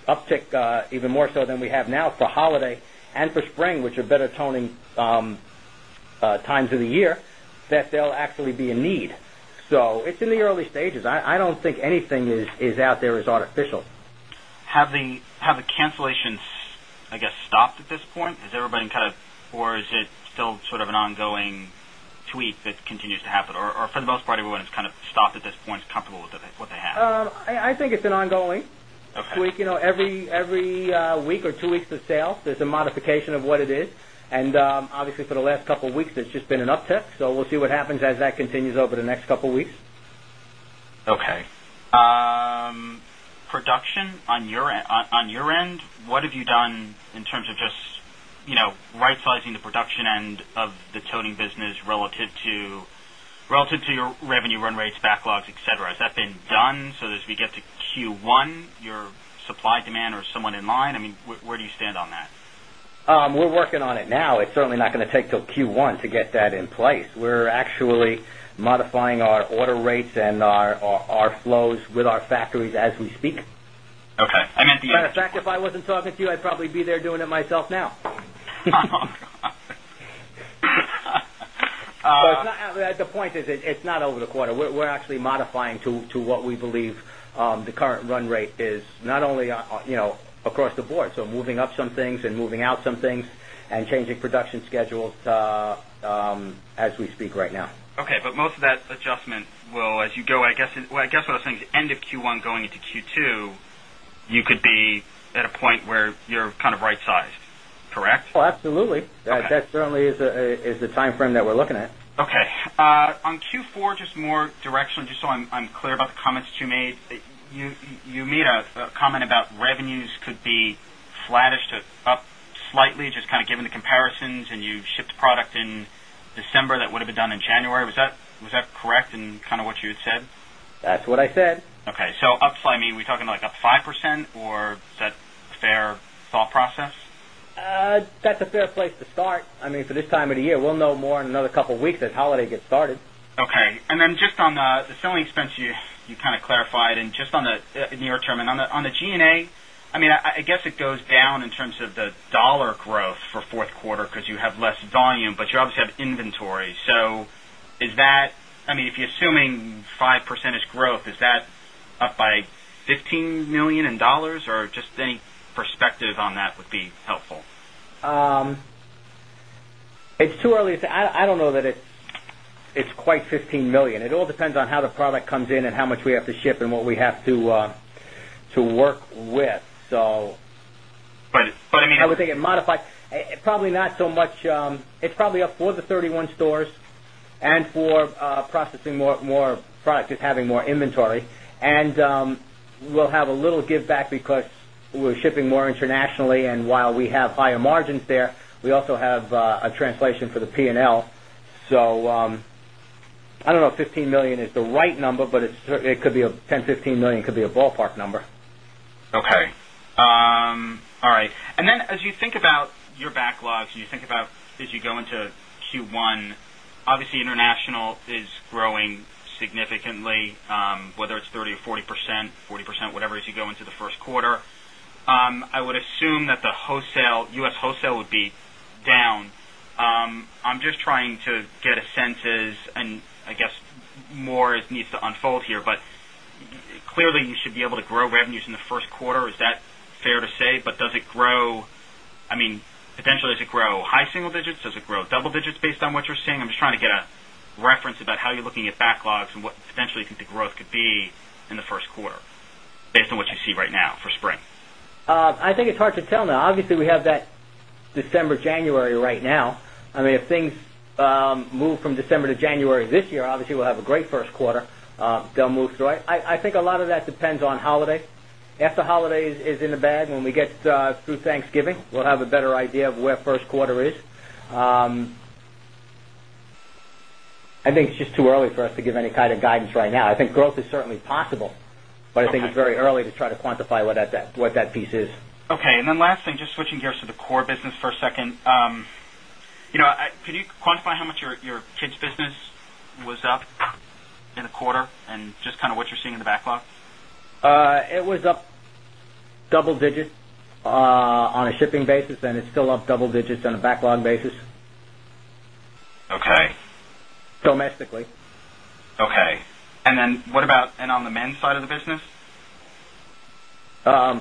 uptick even more so than we have now for holiday and for spring, which are better toning times of the year that they'll actually be a need. So it's in the early stages. I don't think anything is out there as artificial. Have the cancellations, I guess, stopped at this point? Is everybody kind of or is it still sort of an ongoing tweak that continues to happen? Or for the most part, everyone has kind of stopped at this point, comfortable with what they have? I think it's an ongoing tweak. Every week or 2 weeks of sales, there's a modification of what it is. And obviously, for the last couple of weeks, there's just been an uptick. So we'll see what happens as that continues over the next couple of weeks. Okay. Production on your end, what have you done in terms of just rightsizing the production end of the toting business relative to your revenue run rates backlogs etcetera? Has that been done so that as we get to Q1, your supply demand or somewhat in line? I mean, where do you stand on that? We're working on it now. It's certainly not going to take till Q1 to get that in place. We're actually modifying our order rates and our flows with our factories as we speak. Okay. I mean, at the end of the year In fact, if I wasn't talking to you, I'd probably be there doing it myself now. The point is it's not over the quarter. We're actually modifying to what we believe the current run rate is not only across the board, so moving up some things and moving out some things and changing production schedules as we speak right now. Okay. But most of that adjustment will as you go, I guess, what I was saying is end of Q1 going into Q2, you could be at a point where you're right sized, correct? Well, absolutely. That certainly is the timeframe that we're looking at. Okay. On Q4, just more directionally, just so I'm clear about the comments you made. You made a comment about revenues could be flattish to up slightly, just kind of given the comparisons. And you've shipped product in December that would have been done in January. Was that correct in kind of what you had said? That's what I said. Okay. So upside, I mean, we're talking like up 5% or is that fair thought process? That's a fair place to start. I mean, for this time of the year, we'll know more in another couple of weeks as holiday gets started. Okay. And then just on the selling expense, you kind of clarified and just on the near term. And on the G and A, I mean, I guess it goes down in terms of the dollar growth for Q4 because you have less volume, but you obviously have inventory. So is that I mean, if you're assuming 5 percentage growth, is that up by $15,000,000 or just any perspective on that would be helpful? Product comes in and how much we have to ship and what we have to the product comes in and how much we have to ship and what we have to work with. So I would say it modified, probably not so much. It's probably up for the 31 stores and for processing more product is having more inventory. And we'll have a little giveback because we're shipping more internationally. And while we have higher margins there, we also have a translation for the P and L. So I don't know, dollars 15,000,000 is the right number, but it could be $10,000,000 $15,000,000 could be a ballpark number. Okay. All right. And then as you think about your backlogs, as you think about as you go into Q1, obviously international is growing significantly, whether it's 30% or 40%, 40% whatever as you go into the Q1. I would assume that the wholesale U. S. Wholesale would be down. I'm just trying to get a sense as and I guess more needs to unfold here, but clearly you should be able to grow revenues in the Q1. Is that fair to say? But does it grow I mean potentially does it grow high single digits? Does it grow double digits based on what you're seeing? I'm just trying to get a reference about how you're looking at backlogs and what potentially you think the growth could be in the Q1 based on what you see right now for spring? I think it's hard to tell now. Obviously, we have that December, January right now. I mean if things move from December to January this year, obviously, we'll have a great Q1. They'll move through it. I think a lot of that I think it's just too early for us to give any kind of guidance right now. I think growth is certainly possible, but I think it's early to try to quantify what that piece is. Okay. And then last thing just switching gears to the core business for a second. Can you quantify how much your kids business was up in the quantify how much your kids business was up in the quarter and just kind of what you're seeing in the backlog? It was up double digit on a shipping basis and it's still up double digits on a backlog basis domestically. And then what about and on the men's side of the business? That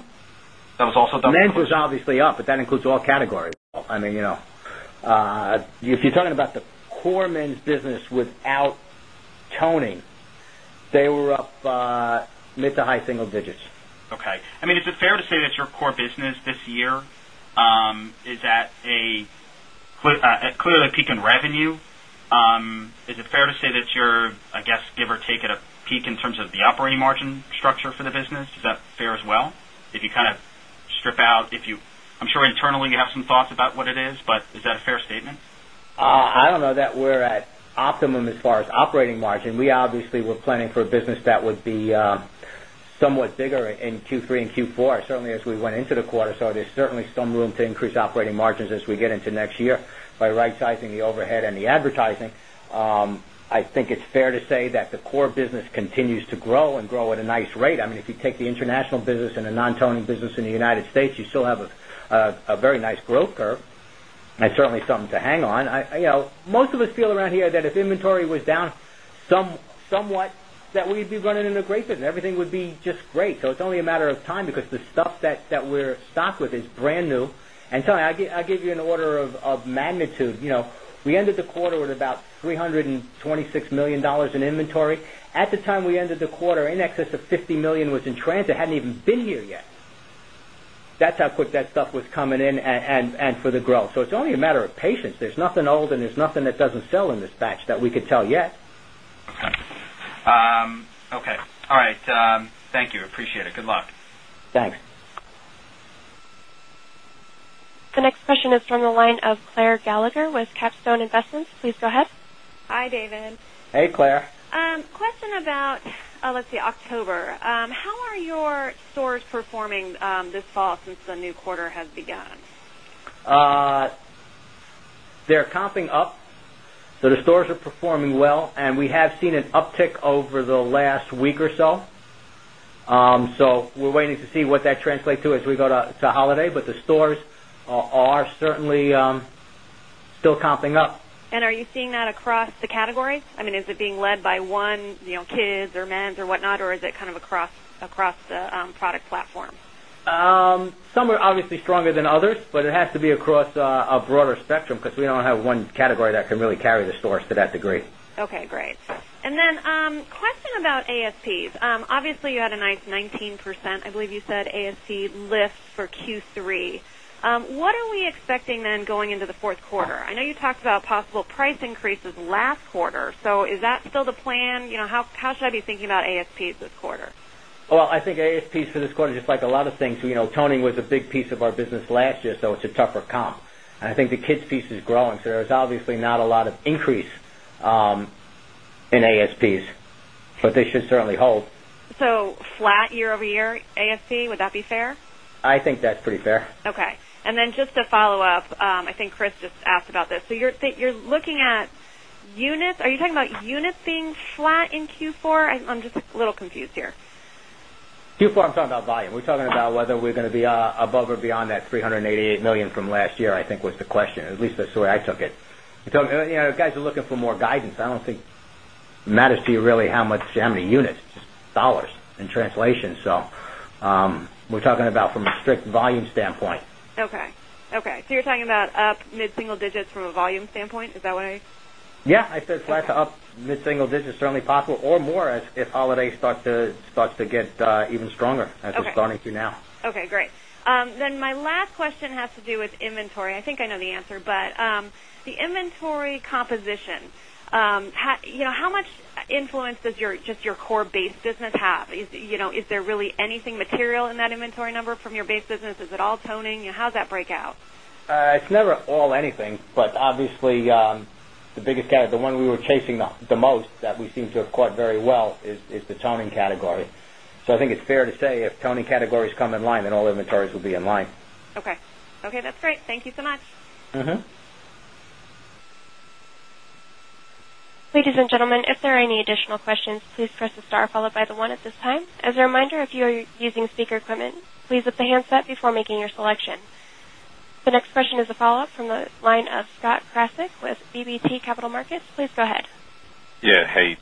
was also Men's was obviously up, but that includes all categories. I mean, if you're talking about the core men's business without toning, they were up mid to high single digits. Okay. I mean, is it fair to say that your core business this year is at a clear the peak in revenue? Is it fair to say that you're, I guess, give or take at a peak in terms of the operating margin structure for the business? Is that fair as well? If you kind of strip out if you I'm sure internally you have some thoughts about what it is, but is that a fair statement? I don't know that we're at optimum as far as optimum as far as operating margin. We obviously were planning for a business that would be somewhat bigger in Q3 and Q4 certainly as we went into the quarter. So there's certainly some room to increase operating margins as we get into next year by rightsizing the overhead and the advertising. I think it's fair to say that the core business continues to grow and grow at a nice rate. I mean, if you take the international business and the non toning business in the United States, you still have a very nice growth curve and certainly something to hang on. Most of us feel around here that if inventory was down somewhat that we'd be running into great business. Everything would be just great. So it's only a matter of time because the stuff that we're stocked with is brand new. And so I'll give you an order of magnitude. We ended the quarter with about 3 $26,000,000 in inventory. At the time we ended the quarter, in excess of $50,000,000 was in transit, hadn't even been here yet. That's how quick that stuff was coming in and for the growth. So it's only a matter of patience. There's nothing old and there's nothing that doesn't sell in this batch that we could tell yet. Okay. All right. Thank you. Appreciate it. Good luck. Thanks. The next question is from the line of Claire Gallagher with Capstone Investments. Please go ahead. Hi, David. Hey, Claire. Question about, let's see, October. How are your stores performing this fall since the new quarter has begun? They're comping up. So the stores are performing well and we have seen an uptick over the last week or so. So we're waiting to see what that translate to as we go to holiday, but the stores are certainly still comping up. And are you seeing that across the category? I mean, is it being led by 1 kids or men's or whatnot or is it kind of across product platform? Some are obviously stronger than but it has to be across a broader spectrum because we don't have one category that can really carry the stores to that degree. Okay, great. And then question about ASPs. Obviously, you had a nice 19%, I believe you said ASP lift for Q3. What are we expecting then going into the Q4? I know you talked about possible price increases last quarter. So is that still the plan? How should I be thinking about ASPs this quarter? Well, I think ASPs for this quarter just like a lot of things, toning was a big piece of our business last year, so it's a tougher comp. And I think the kids piece is growing. So there's obviously not a lot of ASP, would that be fair? I think that's pretty fair. Okay. And then just a follow-up, I think Chris just asked about this. So you're looking at Are you talking about units being flat in Q4? I'm just a little confused here. Q4, I'm talking about volume. We're talking about whether we're going to be above or beyond that 388 $1,000,000 from last year, I think was the question, at least that's where I took it. Guys are looking for more guidance. I don't think it matters to you you really how much how many units, dollars in translation. So we're talking about from a strict volume standpoint. Okay. So you're talking about up mid single digits from a volume standpoint? Is that what I Yes. I said flat to up mid single digits certainly possible or more as if holidays start to get even stronger as it's starting to now. Okay, great. Then my last question has to do with inventory. I think I know the answer, but the inventory composition, how much influence does your just your core base business have? Is there really anything material in that inventory number from your base business? Is it all toning? How does that break out? It's never all anything. But obviously, the biggest category the one we were chasing the most that we seem to have caught very well is the toning category. So I think it's fair to say if toning categories come in line then all inventories will be in line. Okay. Okay, that's great. Thank you so much. The next question is a follow-up from the line of Scott Krasek with BBT Capital Markets. Please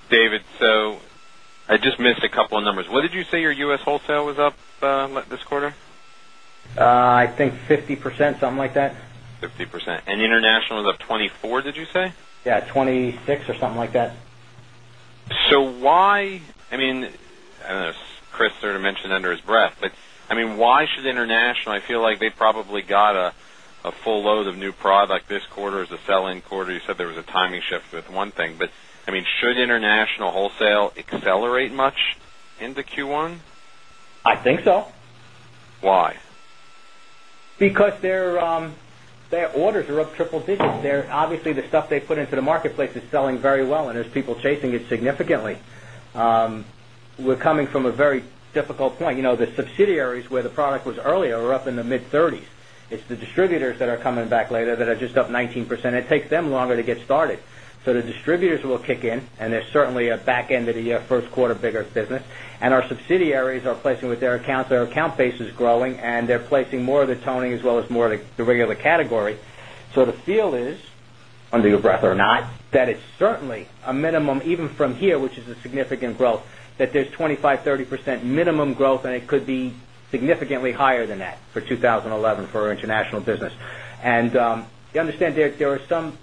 David, so I just missed a couple of numbers. What did you say your U. S. Wholesale was up this quarter? I think percent, something like that. 50% and international was up 24% did you say? Yes, 26% or something like that. So why I mean, I don't know if Chris sort of mentioned under his breath, but I mean, why should international I feel like they probably got a full load of new product this quarter as a sell in quarter, you said there was a timing shift with one thing, but I mean, should international wholesale accelerate much into Q1? I think so. Why? Because their orders are up triple digits. Obviously, the stuff they put into the marketplace is selling very well and there's people chasing it significantly. We're coming from a very difficult point. The subsidiaries where the product was earlier were up in the mid-30s. It's the distributors that are coming back later that are just up 19%. It takes them longer to get started. So the distributors will kick in and there's certainly a back end of the year, Q1 bigger business. And our subsidiaries are toning as well as more of the regular category. So the feel is, under your breath or not, that it's certainly a minimum even from here, which is a significant growth that there's 25%, 30% minimum growth and it could be significantly higher than that for 2011 for our international business. And understand there are some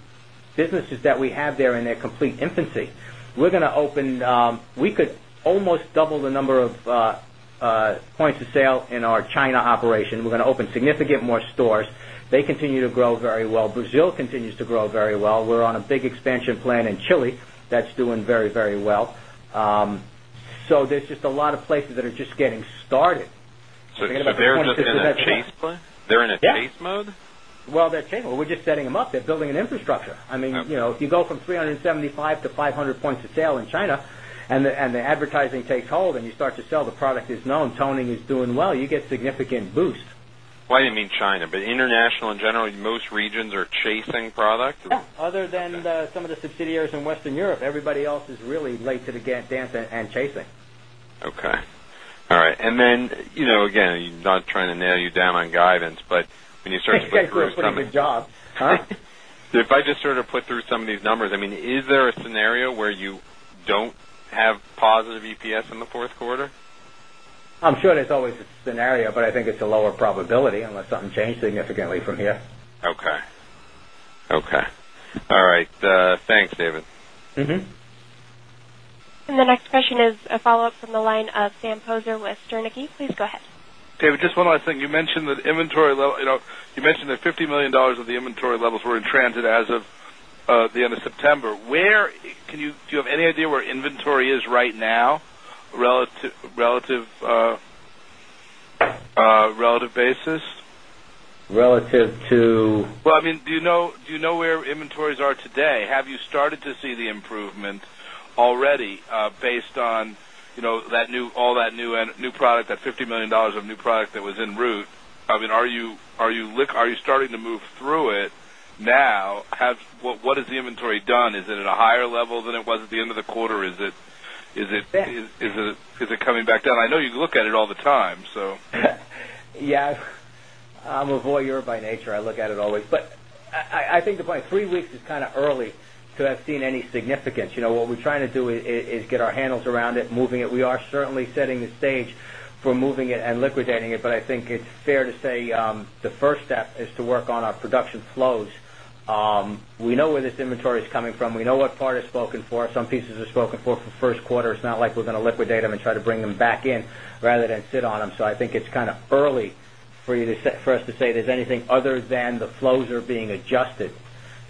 businesses that we have there in their complete infancy. We're going to open we could almost double the number of points of sale in our China operation. Open significant more stores. They continue to grow very well. Brazil continues to grow very well. We're on a big expansion plan in Chile that's doing very, very well. So there's just a lot of places that are just getting started. So they're just in a chase mode? Yes. Well, they're changing. Well, we're just setting them up. They're building an infrastructure. I mean, if you go from 3 75 to 500 points of sale in China and the advertising takes hold and you start to sell the product is known, toning is doing well, you do you mean China? But international in general, in most regions are chasing product? Other than some of the subsidiaries in Western Europe, everybody else is really late to the gas and chasing. Okay. All right. And then, again, I'm not trying to nail you down on guidance, but when you start to put through some of on If I just sort of put through some of these numbers, I mean, is there a scenario where you don't have positive EPS in the Q4? I'm sure there's always a scenario, but I think it's a lower probability unless something changed significantly from here. Okay. All right. Thanks, David. And the next question is a follow-up from the line of Sam Poser with Stornack. Please go ahead. David, just one last thing. You mentioned that $50,000,000 of the inventory levels were in transit as of the end of September. Where can you do you have any idea where I mean, do you know where inventories are today? Have you started to see the improvement already based on that new all that new product, that $50,000,000 of new product that was en route. I mean, are you starting to move through it now? What has the inventory done? Is it at a higher level than it was at the end of the quarter? Is it coming back down? I know you look at all the time, so Yes. I'm a voyeur by nature. I look at it always. But I think that by 3 weeks is kind of early to have seen any significance. What we're trying to do is get our handles around it, moving it. We are certainly setting the stage for moving it and liquidating it. But I think it's fair to say the first step is to work on our production flows. We know where this inventory is coming from. We know what part is spoken for. Some pieces are spoken for, for Q1. It's not like we're going to liquidate them and try to bring them back in rather than sit on them. So I think it's kind of early for you to for us to say there's anything other than the flows are being adjusted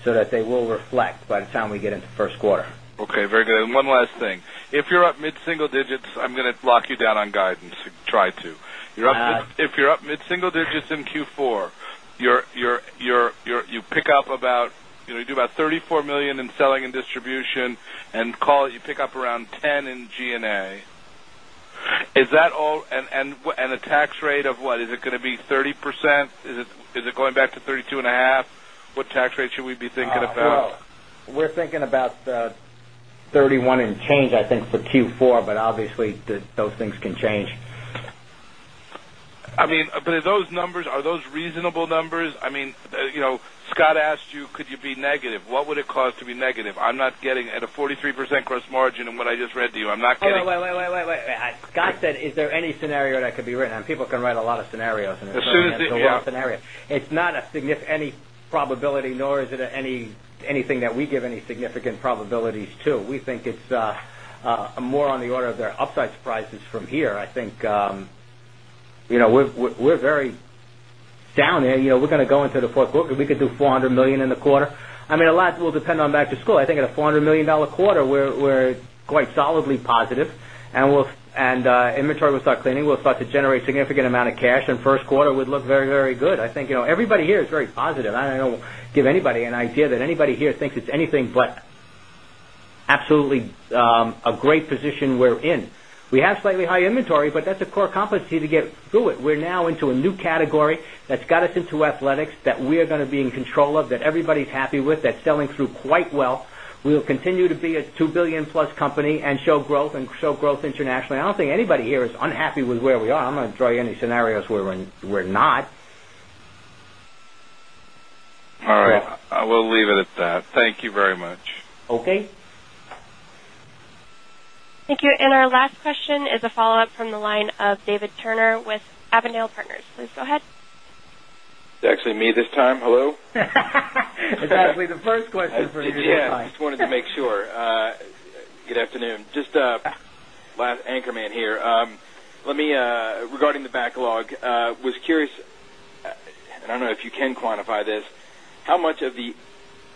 so that they will reflect by the time we get into Q1. Okay, very good. And one last thing. If you're up mid single digits, I'm going to lock you down on guidance, try to. If you're up mid single digits in Q4, you pick up about you do about $34,000,000 in selling and distribution and call it, you pick up around $10,000,000 in G and A. Is that all and and the tax rate of what, is it going to be 30%? Is it going back to 32.5%? What tax rate should we be thinking about? We're thinking about 31 and change, I think, for Q4, but obviously those things can change. I mean, but those numbers are those reasonable numbers? I mean, Scott asked you could you be negative? What would it cause to be negative? I'm not getting at a 43% gross margin than what I just read to you. I'm not getting Wait, wait, wait, wait, wait. Scott said, is there any scenario that could be written? And people can write a lot of scenarios. It's not a significant any probability nor is it any anything that we give any significant probabilities to. We think it's more on the order of their upside surprises from here. I think we're very down there. We're going to go into the 4th book if we could do $400,000,000 in the quarter. I mean a lot will depend on back to school. I think at a $400,000,000 quarter, we're quite solidly positive and inventory will start cleaning, we'll start to generate significant amount of cash and Q1 would look very, very good. I think everybody here is very positive. I don't give anybody an idea that anybody here thinks it's anything but absolutely a great position we're in. We have slightly high inventory, but that's a core competency to get through it. We're now into a new category that's got us into athletics that we are going to be in control of that everybody is happy with that selling through quite well. We will continue to be a 2,000,000,000 plus company and show growth and show growth internationally. I don't think anybody here is unhappy with where we are. I'm going to draw you any scenarios where we're not. Okay. And then, I think, are. I'm going to draw you any scenarios where we're not. All right. I will leave it at that. And our last question is a follow-up from the line of David Turner with Avondale Partners. Please go ahead. It's actually me this time. Hello? It's actually the I just wanted to make sure. Good afternoon. Just last anchorman here. Let me regarding the backlog, I was curious, I don't know if you can quantify this, how much of the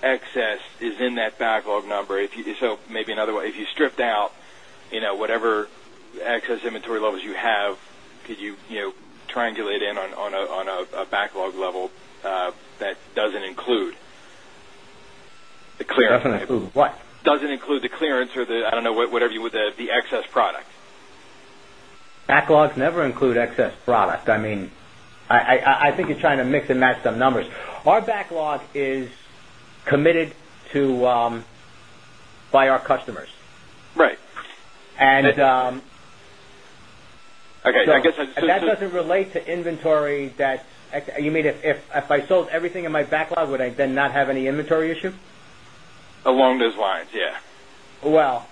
excess is in that backlog number? So maybe another way, if you stripped out whatever excess inventory levels you have, could you triangulate in on a backlog level that doesn't include the clearance? Doesn't include what? Does it include the clearance or the I don't know whatever you would the excess product? Backlogs never include excess product. I mean, I think you're trying to mix and match some numbers. Our backlog is committed to by our customers. Right. And that doesn't relate to inventory that you mean if I sold everything in my backlog, would I then not have any inventory issue? Along those lines, yes. Well,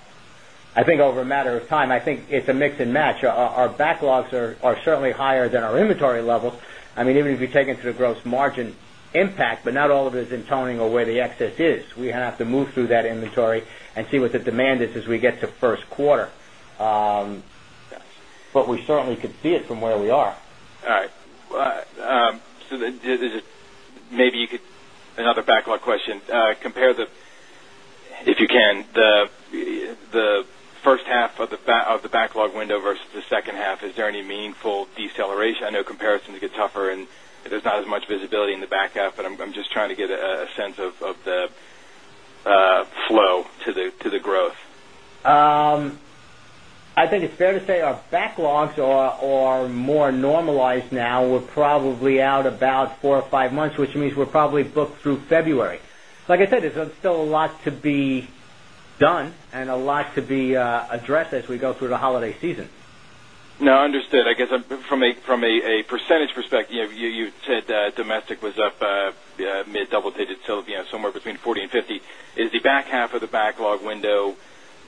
I think over a matter of time, I think it's a mix and match. Our backlogs are certainly higher than our inventory levels. I mean, even if you take into the gross margin impact, but not all of it is in toning where the excess is. We have to move through that inventory and see what the demand is as we get to Q1. But we certainly could see it from where we are. All right. So maybe you could another backlog question. Compare the if you can the first half of the backlog window versus the second half, is there any meaningful deceleration? I know comparisons get tougher and there's not as visibility in the back half, but I'm just trying to get a sense of the flow to the growth. I think it's fair to say our backlogs are more normalized now. We're probably out about 4 or 5 months, which means we're probably booked through February. Like I said, there's a lot to be done and a lot to be addressed as we go through the holiday season. No, understood. I guess from a percentage perspective, you said domestic was up mid double digit, so somewhere between 40 50. Is the back half of the backlog window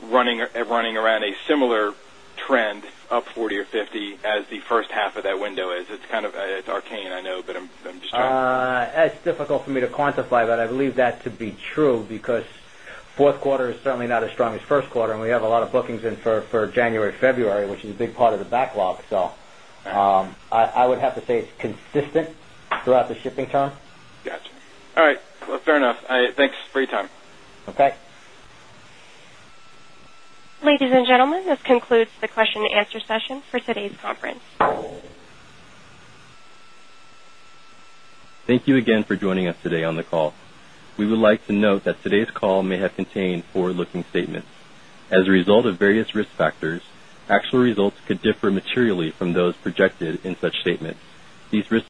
running around a similar trend of 40 or 50 as the first half of that window is? It's kind of arcane, I know, but I'm just trying to It's difficult for me to quantify, but I believe that to be true because Q4 is certainly not as strong as Q1 and we have a lot of bookings in for January, February, which is a big part of the backlog. So I would have to say it's consistent throughout the shipping time. Got you. All right. Well, fair enough. Thanks for your time. Okay. Ladies and gentlemen, this concludes the question and answer session for today's conference. Thank you again for joining us today on the call. We would like to note that today's call may have contained forward looking statements. As a result of various risk factors, actual results could differ materially from those projected in such statements. These risks